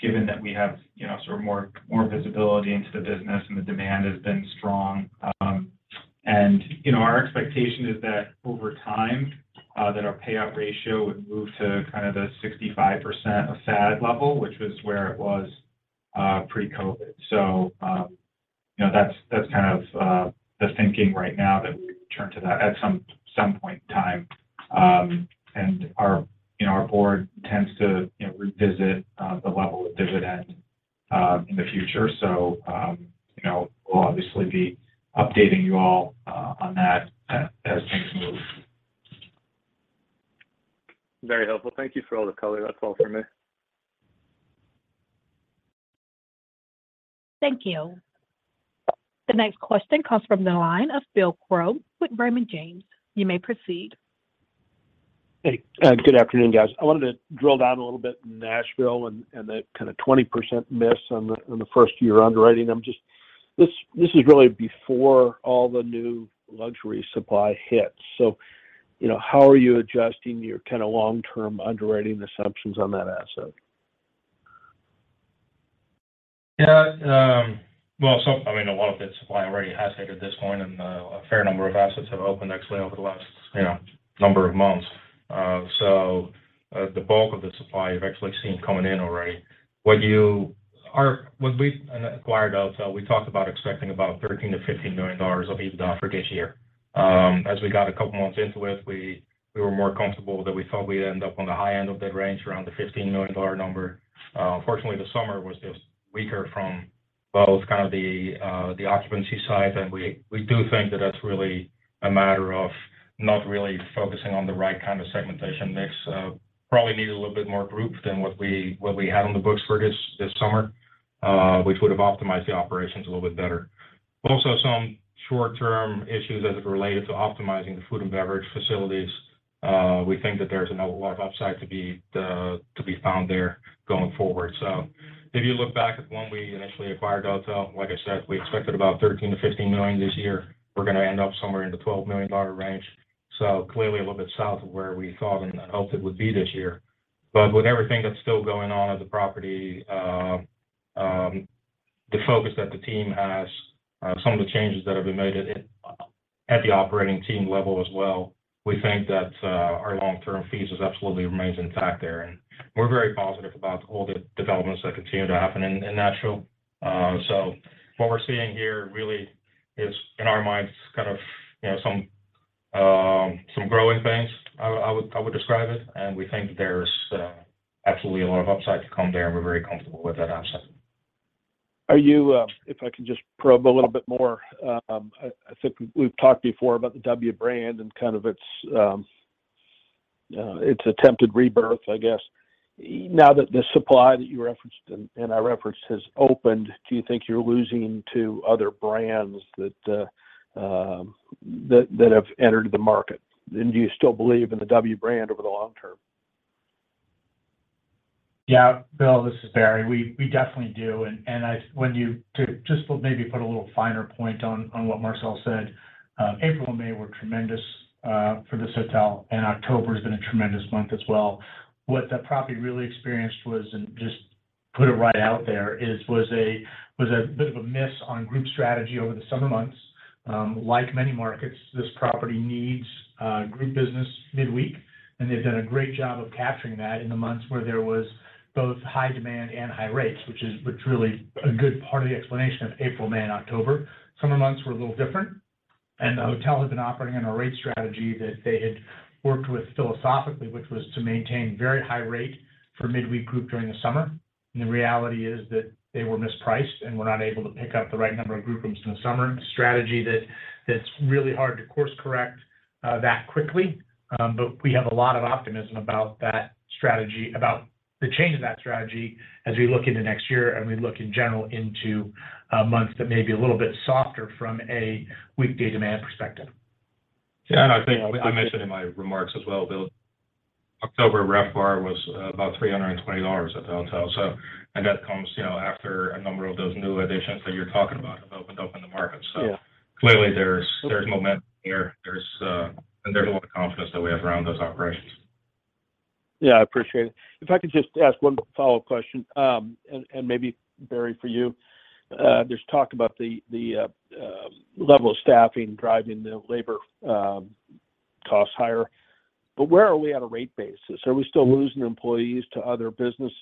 Speaker 5: given that we have, you know, sort of more visibility into the business and the demand has been strong. Our expectation is that over time that our payout ratio would move to kind of the 65% of AFFO level, which was where it was pre-COVID. That's kind of the thinking right now that we return to that at some point in time. Our board tends to, you know, revisit the level of dividend in the future. You know, we'll obviously be updating you all on that as things move.
Speaker 11: Very helpful. Thank you for all the color. That's all for me.
Speaker 1: Thank you. The next question comes from the line of Bill Crow with Raymond James. You may proceed.
Speaker 12: Hey, good afternoon, guys. I wanted to drill down a little bit in Nashville and that kind of 20% miss on the first year underwriting. This is really before all the new luxury supply hits. You know, how are you adjusting your kind of long-term underwriting assumptions on that asset?
Speaker 3: Yeah. Well, I mean, a lot of that supply already has hit at this point, and a fair number of assets have opened actually over the last, you know, number of months. The bulk of the supply you've actually seen coming in already. An acquired hotel, we talked about expecting about $13 million-$15 million of EBITDA for this year. As we got a couple months into it, we were more comfortable that we thought we'd end up on the high end of that range around the $15 million number. Unfortunately, the summer was just weaker from both kind of the occupancy side, and we do think that that's really a matter of not really focusing on the right kind of segmentation mix. Probably need a little bit more group than what we had on the books for this summer, which would have optimized the operations a little bit better. Also, some short-term issues as it related to optimizing the food and beverage facilities. We think that there's a lot of upside to be found there going forward. If you look back at when we initially acquired the hotel, like I said, we expected about $13 million-$15 million this year. We're gonna end up somewhere in the $12 million range. Clearly a little bit south of where we thought and hoped it would be this year. With everything that's still going on at the property, the focus that the team has, some of the changes that have been made at the operating team level as well, we think that our long-term thesis absolutely remains intact there. We're very positive about all the developments that continue to happen in Nashville. What we're seeing here really is, in our minds, kind of, you know, some growing pains. I would describe it, and we think there's absolutely a lot of upside to come there, and we're very comfortable with that asset.
Speaker 12: If I can just probe a little bit more. I think we've talked before about the W brand and kind of its attempted rebirth, I guess. Now that the supply that you referenced and I referenced has opened, do you think you're losing to other brands that have entered the market? Do you still believe in the W brand over the long term?
Speaker 4: Yeah. Bill, this is Barry. We definitely do. I want to just maybe put a little finer point on what Marcel said. April and May were tremendous for this hotel, and October has been a tremendous month as well. What the property really experienced was, and just put it right out there, a bit of a miss on group strategy over the summer months. Like many markets, this property needs group business midweek, and they've done a great job of capturing that in the months where there was both high demand and high rates, which really is a good part of the explanation of April, May, and October. Summer months were a little different, and the hotel had been operating on a rate strategy that they had worked with philosophically, which was to maintain very high rate for midweek group during the summer. The reality is that they were mispriced and were not able to pick up the right number of group rooms in the summer. A strategy that's really hard to course correct that quickly. We have a lot of optimism about that strategy, about the change in that strategy as we look into next year and we look in general into months that may be a little bit softer from a weekday demand perspective.
Speaker 3: Yeah. I think I mentioned in my remarks as well, Bill, October RevPAR was about $320 at the hotel, so. That comes, you know, after a number of those new additions that you're talking about have opened up in the market.
Speaker 12: Yeah.
Speaker 3: Clearly, there's momentum here. There's a lot of confidence that we have around those operations.
Speaker 12: Yeah, I appreciate it. If I could just ask one follow-up question, and maybe Barry for you. There's talk about the level of staffing driving the labor costs higher, but where are we at a rate basis? Are we still losing employees to other businesses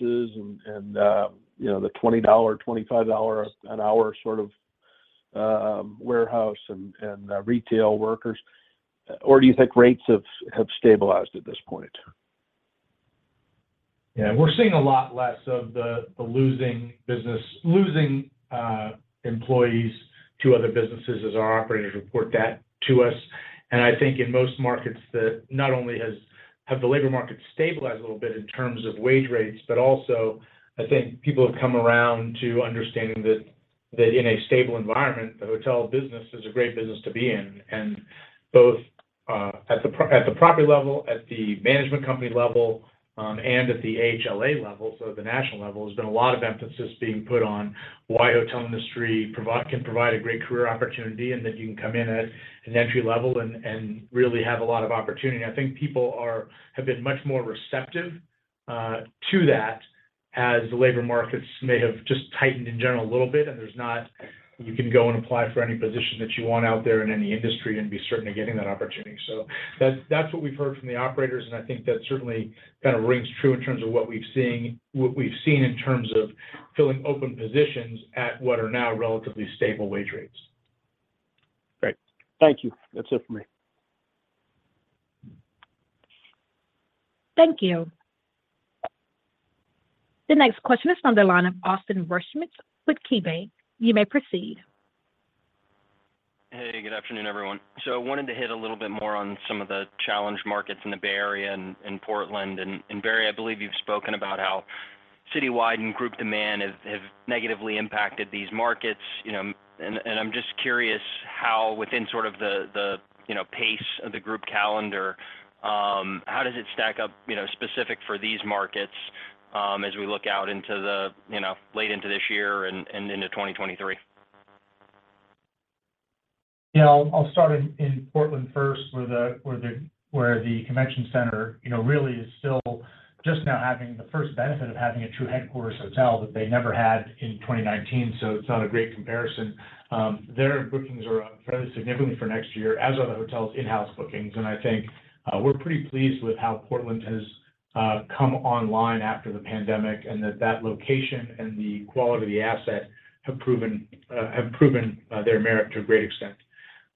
Speaker 12: and, you know, the $20, $25 an hour sort of warehouse and retail workers? Or do you think rates have stabilized at this point?
Speaker 4: Yeah. We're seeing a lot less of losing employees to other businesses as our operators report that to us. I think in most markets that not only have the labor market stabilized a little bit in terms of wage rates, but also I think people have come around to understanding that in a stable environment, the hotel business is a great business to be in. Both at the property level, at the management company level, and at the AHLA level, so at the national level, there's been a lot of emphasis being put on why the hotel industry can provide a great career opportunity, and that you can come in at an entry-level and really have a lot of opportunity. I think people have been much more receptive to that as the labor markets may have just tightened in general a little bit. You can go and apply for any position that you want out there in any industry and be certain of getting that opportunity. That, that's what we've heard from the operators, and I think that certainly kind of rings true in terms of what we've seen in terms of filling open positions at what are now relatively stable wage rates.
Speaker 12: Great. Thank you. That's it for me.
Speaker 1: Thank you. The next question is on the line of Austin Wurschmidt with KeyBanc Capital Markets. You may proceed.
Speaker 13: Hey, good afternoon, everyone. I wanted to hit a little bit more on some of the challenged markets in the Bay Area and in Portland. Barry, I believe you've spoken about how citywide and group demand have negatively impacted these markets, you know, and I'm just curious how within sort of the pace of the group calendar, how does it stack up, you know, specific for these markets, as we look out into the late into this year and into 2023?
Speaker 4: Yeah. I'll start in Portland first, where the convention center, you know, really is still just now having the first benefit of having a true headquarters hotel that they never had in 2019, so it's not a great comparison. Their bookings are up fairly significantly for next year, as are the hotel's in-house bookings. I think we're pretty pleased with how Portland has come online after the pandemic, and that location and the quality of the asset have proven their merit to a great extent.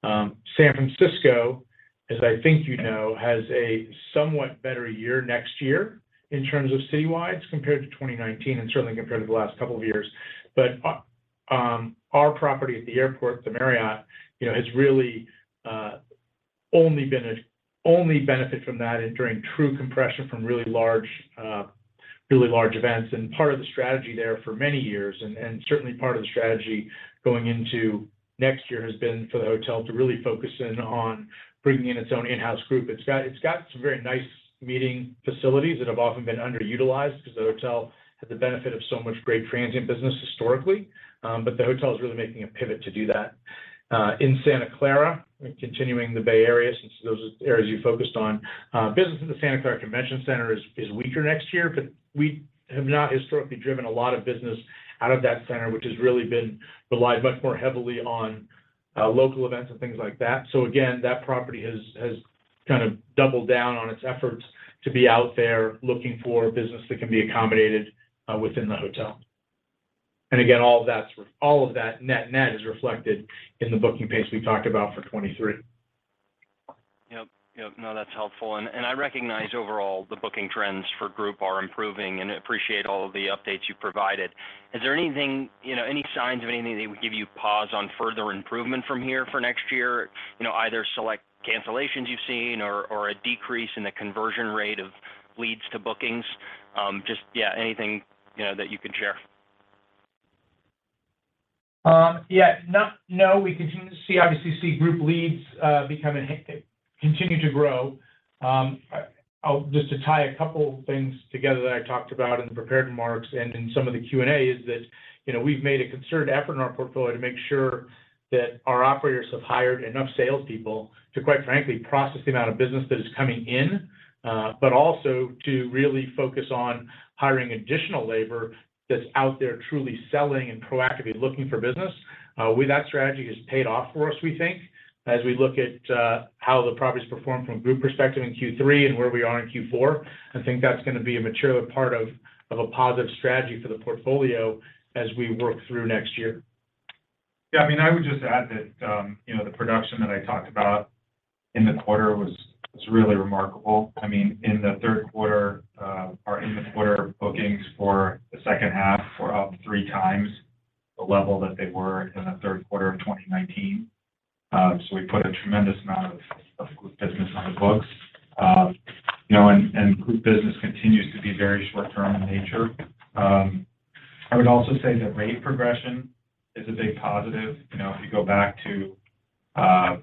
Speaker 4: San Francisco, as I think you know, has a somewhat better year next year in terms of citywide compared to 2019 and certainly compared to the last couple of years. Our property at the airport, the Marriott, you know, has really only benefited from that enduring true compression from really large events. Part of the strategy there for many years and certainly part of the strategy going into next year has been for the hotel to really focus in on bringing in its own in-house group. It's got some very nice meeting facilities that have often been underutilized because the hotel had the benefit of so much great transient business historically. The hotel is really making a pivot to do that. In Santa Clara, continuing the Bay Area since those are the areas you focused on, business in the Santa Clara Convention Center is weaker next year, but we have not historically driven a lot of business out of that center, which has really relied much more heavily on local events and things like that. Again, that property has kind of doubled down on its efforts to be out there looking for business that can be accommodated within the hotel. Again, all of that net-net is reflected in the booking pace we talked about for 2023.
Speaker 13: Yep. No, that's helpful. I recognize overall the booking trends for group are improving and appreciate all of the updates you've provided. Is there anything, you know, any signs of anything that would give you pause on further improvement from here for next year? You know, either select cancellations you've seen or a decrease in the conversion rate of leads to bookings. Just, yeah, anything, you know, that you can share.
Speaker 4: No, we continue to see, obviously, group leads continue to grow. I'll just tie a couple things together that I talked about in the prepared remarks and in some of the Q&A is that, you know, we've made a concerted effort in our portfolio to make sure that our operators have hired enough salespeople to, quite frankly, process the amount of business that is coming in, but also to really focus on hiring additional labor that's out there truly selling and proactively looking for business. That strategy has paid off for us, we think, as we look at how the property's performed from a group perspective in Q3 and where we are in Q4. I think that's gonna be a material part of a positive strategy for the portfolio as we work through next year.
Speaker 3: Yeah. I mean, I would just add that, you know, the production that I talked about in the quarter was really remarkable. I mean, in the third quarter, our in-the-quarter bookings for the second half were up three times the level that they were in the third quarter of 2019. We put a tremendous amount of group business on the books. You know, and group business continues to be very short term in nature. I would also say that rate progression is a big positive. You know, if you go back to the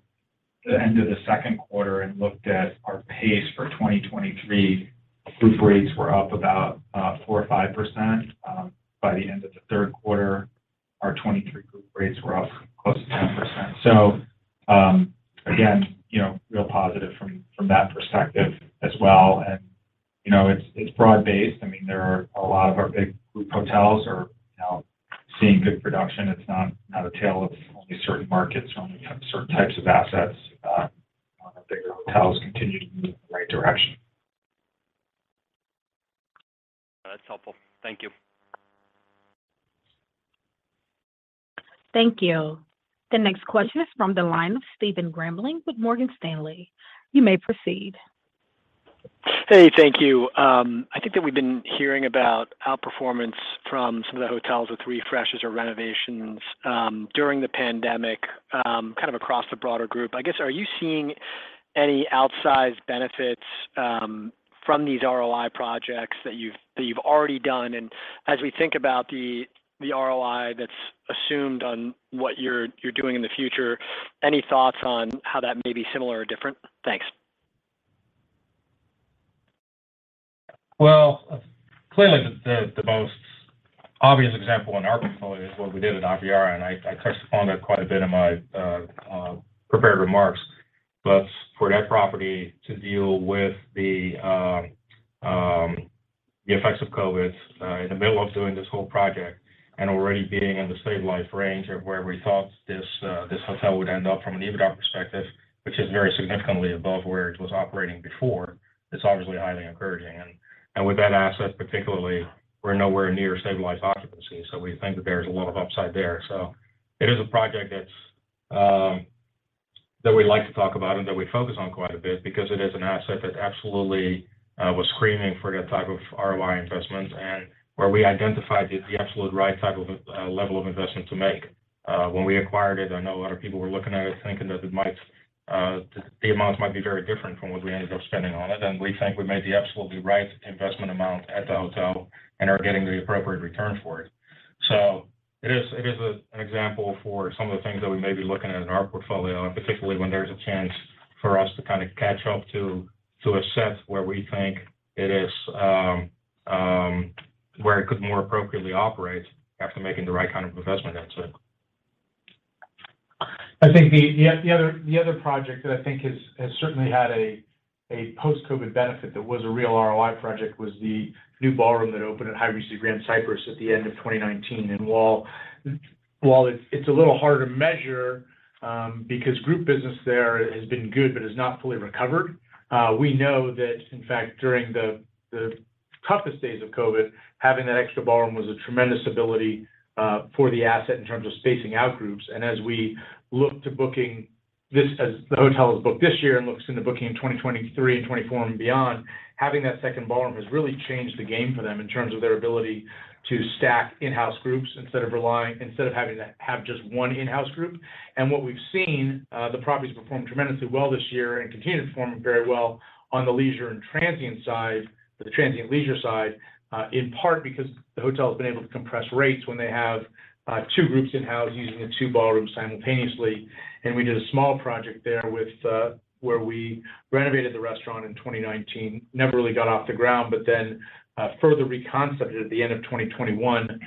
Speaker 3: end of the second quarter and looked at our pace for 2023, group rates were up about 4% or 5%. By the end of the third quarter, our 2023 group rates were up close to 10%. Again, you know, real positive from that perspective as well. You know, it's broad-based. I mean, there are a lot of our big group hotels are, you know, seeing good production. It's not a tale of only certain markets or only certain types of assets. No, the bigger hotels continue to move in the right direction.
Speaker 13: That's helpful. Thank you.
Speaker 1: Thank you. The next question is from the line of Stephen Grambling with Morgan Stanley. You may proceed.
Speaker 14: Hey, thank you. I think that we've been hearing about outperformance from some of the hotels with refreshes or renovations during the pandemic, kind of across the broader group. I guess, are you seeing any outsized benefits from these ROI projects that you've already done? As we think about the ROI that's assumed on what you're doing in the future, any thoughts on how that may be similar or different? Thanks.
Speaker 3: Well, clearly the most obvious example in our portfolio is what we did at Aviara, and I touched upon that quite a bit in my prepared remarks. For that property to deal with the effects of COVID in the middle of doing this whole project and already being in the stabilized range of where we thought this hotel would end up from an EBITDA perspective, which is very significantly above where it was operating before, is obviously highly encouraging. With that asset particularly, we're nowhere near stabilized occupancy, so we think that there's a lot of upside there. It is a project that we like to talk about and that we focus on quite a bit because it is an asset that absolutely was screaming for that type of ROI investment and where we identified the absolute right type of level of investment to make. When we acquired it, I know a lot of people were looking at it thinking that the amounts might be very different from what we ended up spending on it, and we think we made the absolutely right investment amount at the hotel and are getting the appropriate return for it. It is an example for some of the things that we may be looking at in our portfolio, and particularly when there's a chance for us to kind of catch up to assess where we think it is, where it could more appropriately operate after making the right kind of investment into it.
Speaker 4: I think the other project that I think has certainly had a post-COVID benefit that was a real ROI project was the new ballroom that opened at Hyatt Regency Grand Cypress at the end of 2019. While it's a little harder to measure, because group business there has been good but has not fully recovered, we know that, in fact, during the toughest days of COVID, having that extra ballroom was a tremendous ability for the asset in terms of spacing out groups. As the hotel is booked this year and looks into booking in 2023 and 2024 and beyond, having that second ballroom has really changed the game for them in terms of their ability to stack in-house groups instead of having to have just one in-house group. What we've seen, the property's performed tremendously well this year and continued to perform very well on the leisure and transient side, or the transient leisure side, in part because the hotel has been able to compress rates when they have two groups in-house using the two ballrooms simultaneously. We did a small project there with where we renovated the restaurant in 2019. Never really got off the ground, but then, further reconcepted at the end of 2021,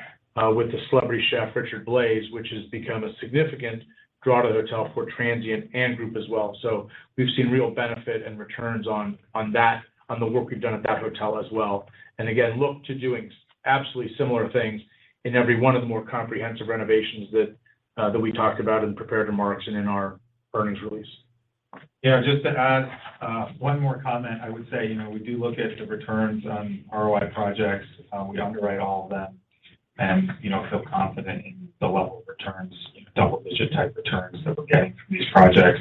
Speaker 4: with the celebrity chef Richard Blais, which has become a significant draw to the hotel for transient and group as well. We've seen real benefit and returns on that, on the work we've done at that hotel as well. Again, look to doing absolutely similar things in every one of the more comprehensive renovations that we talked about in prepared remarks and in our earnings release. Yeah, just to add one more comment, I would say, you know, we do look at the returns on ROI projects. We underwrite all of them and, you know, feel confident in the level of returns, you know, double-digit type returns that we're getting from these projects.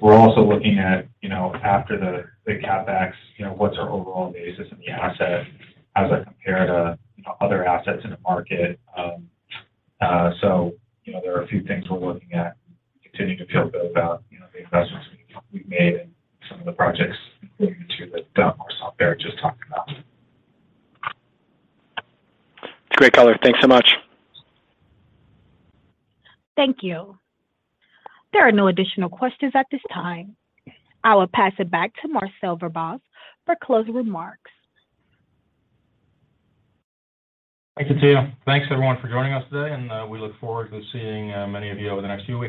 Speaker 4: We're also looking at, you know, after the CapEx, you know, what's our overall basis in the asset? How does that compare to, you know, other assets in the market? You know, there are a few things we're looking at and continuing to feel good about, you know, the investments we've made in some of the projects, including the two that Marcel there just talked about.
Speaker 14: Great color. Thanks so much.
Speaker 1: Thank you. There are no additional questions at this time. I will pass it back to Marcel Verbaas for closing remarks.
Speaker 3: Thank you, Tia. Thanks everyone for joining us today, and we look forward to seeing many of you over the next few weeks.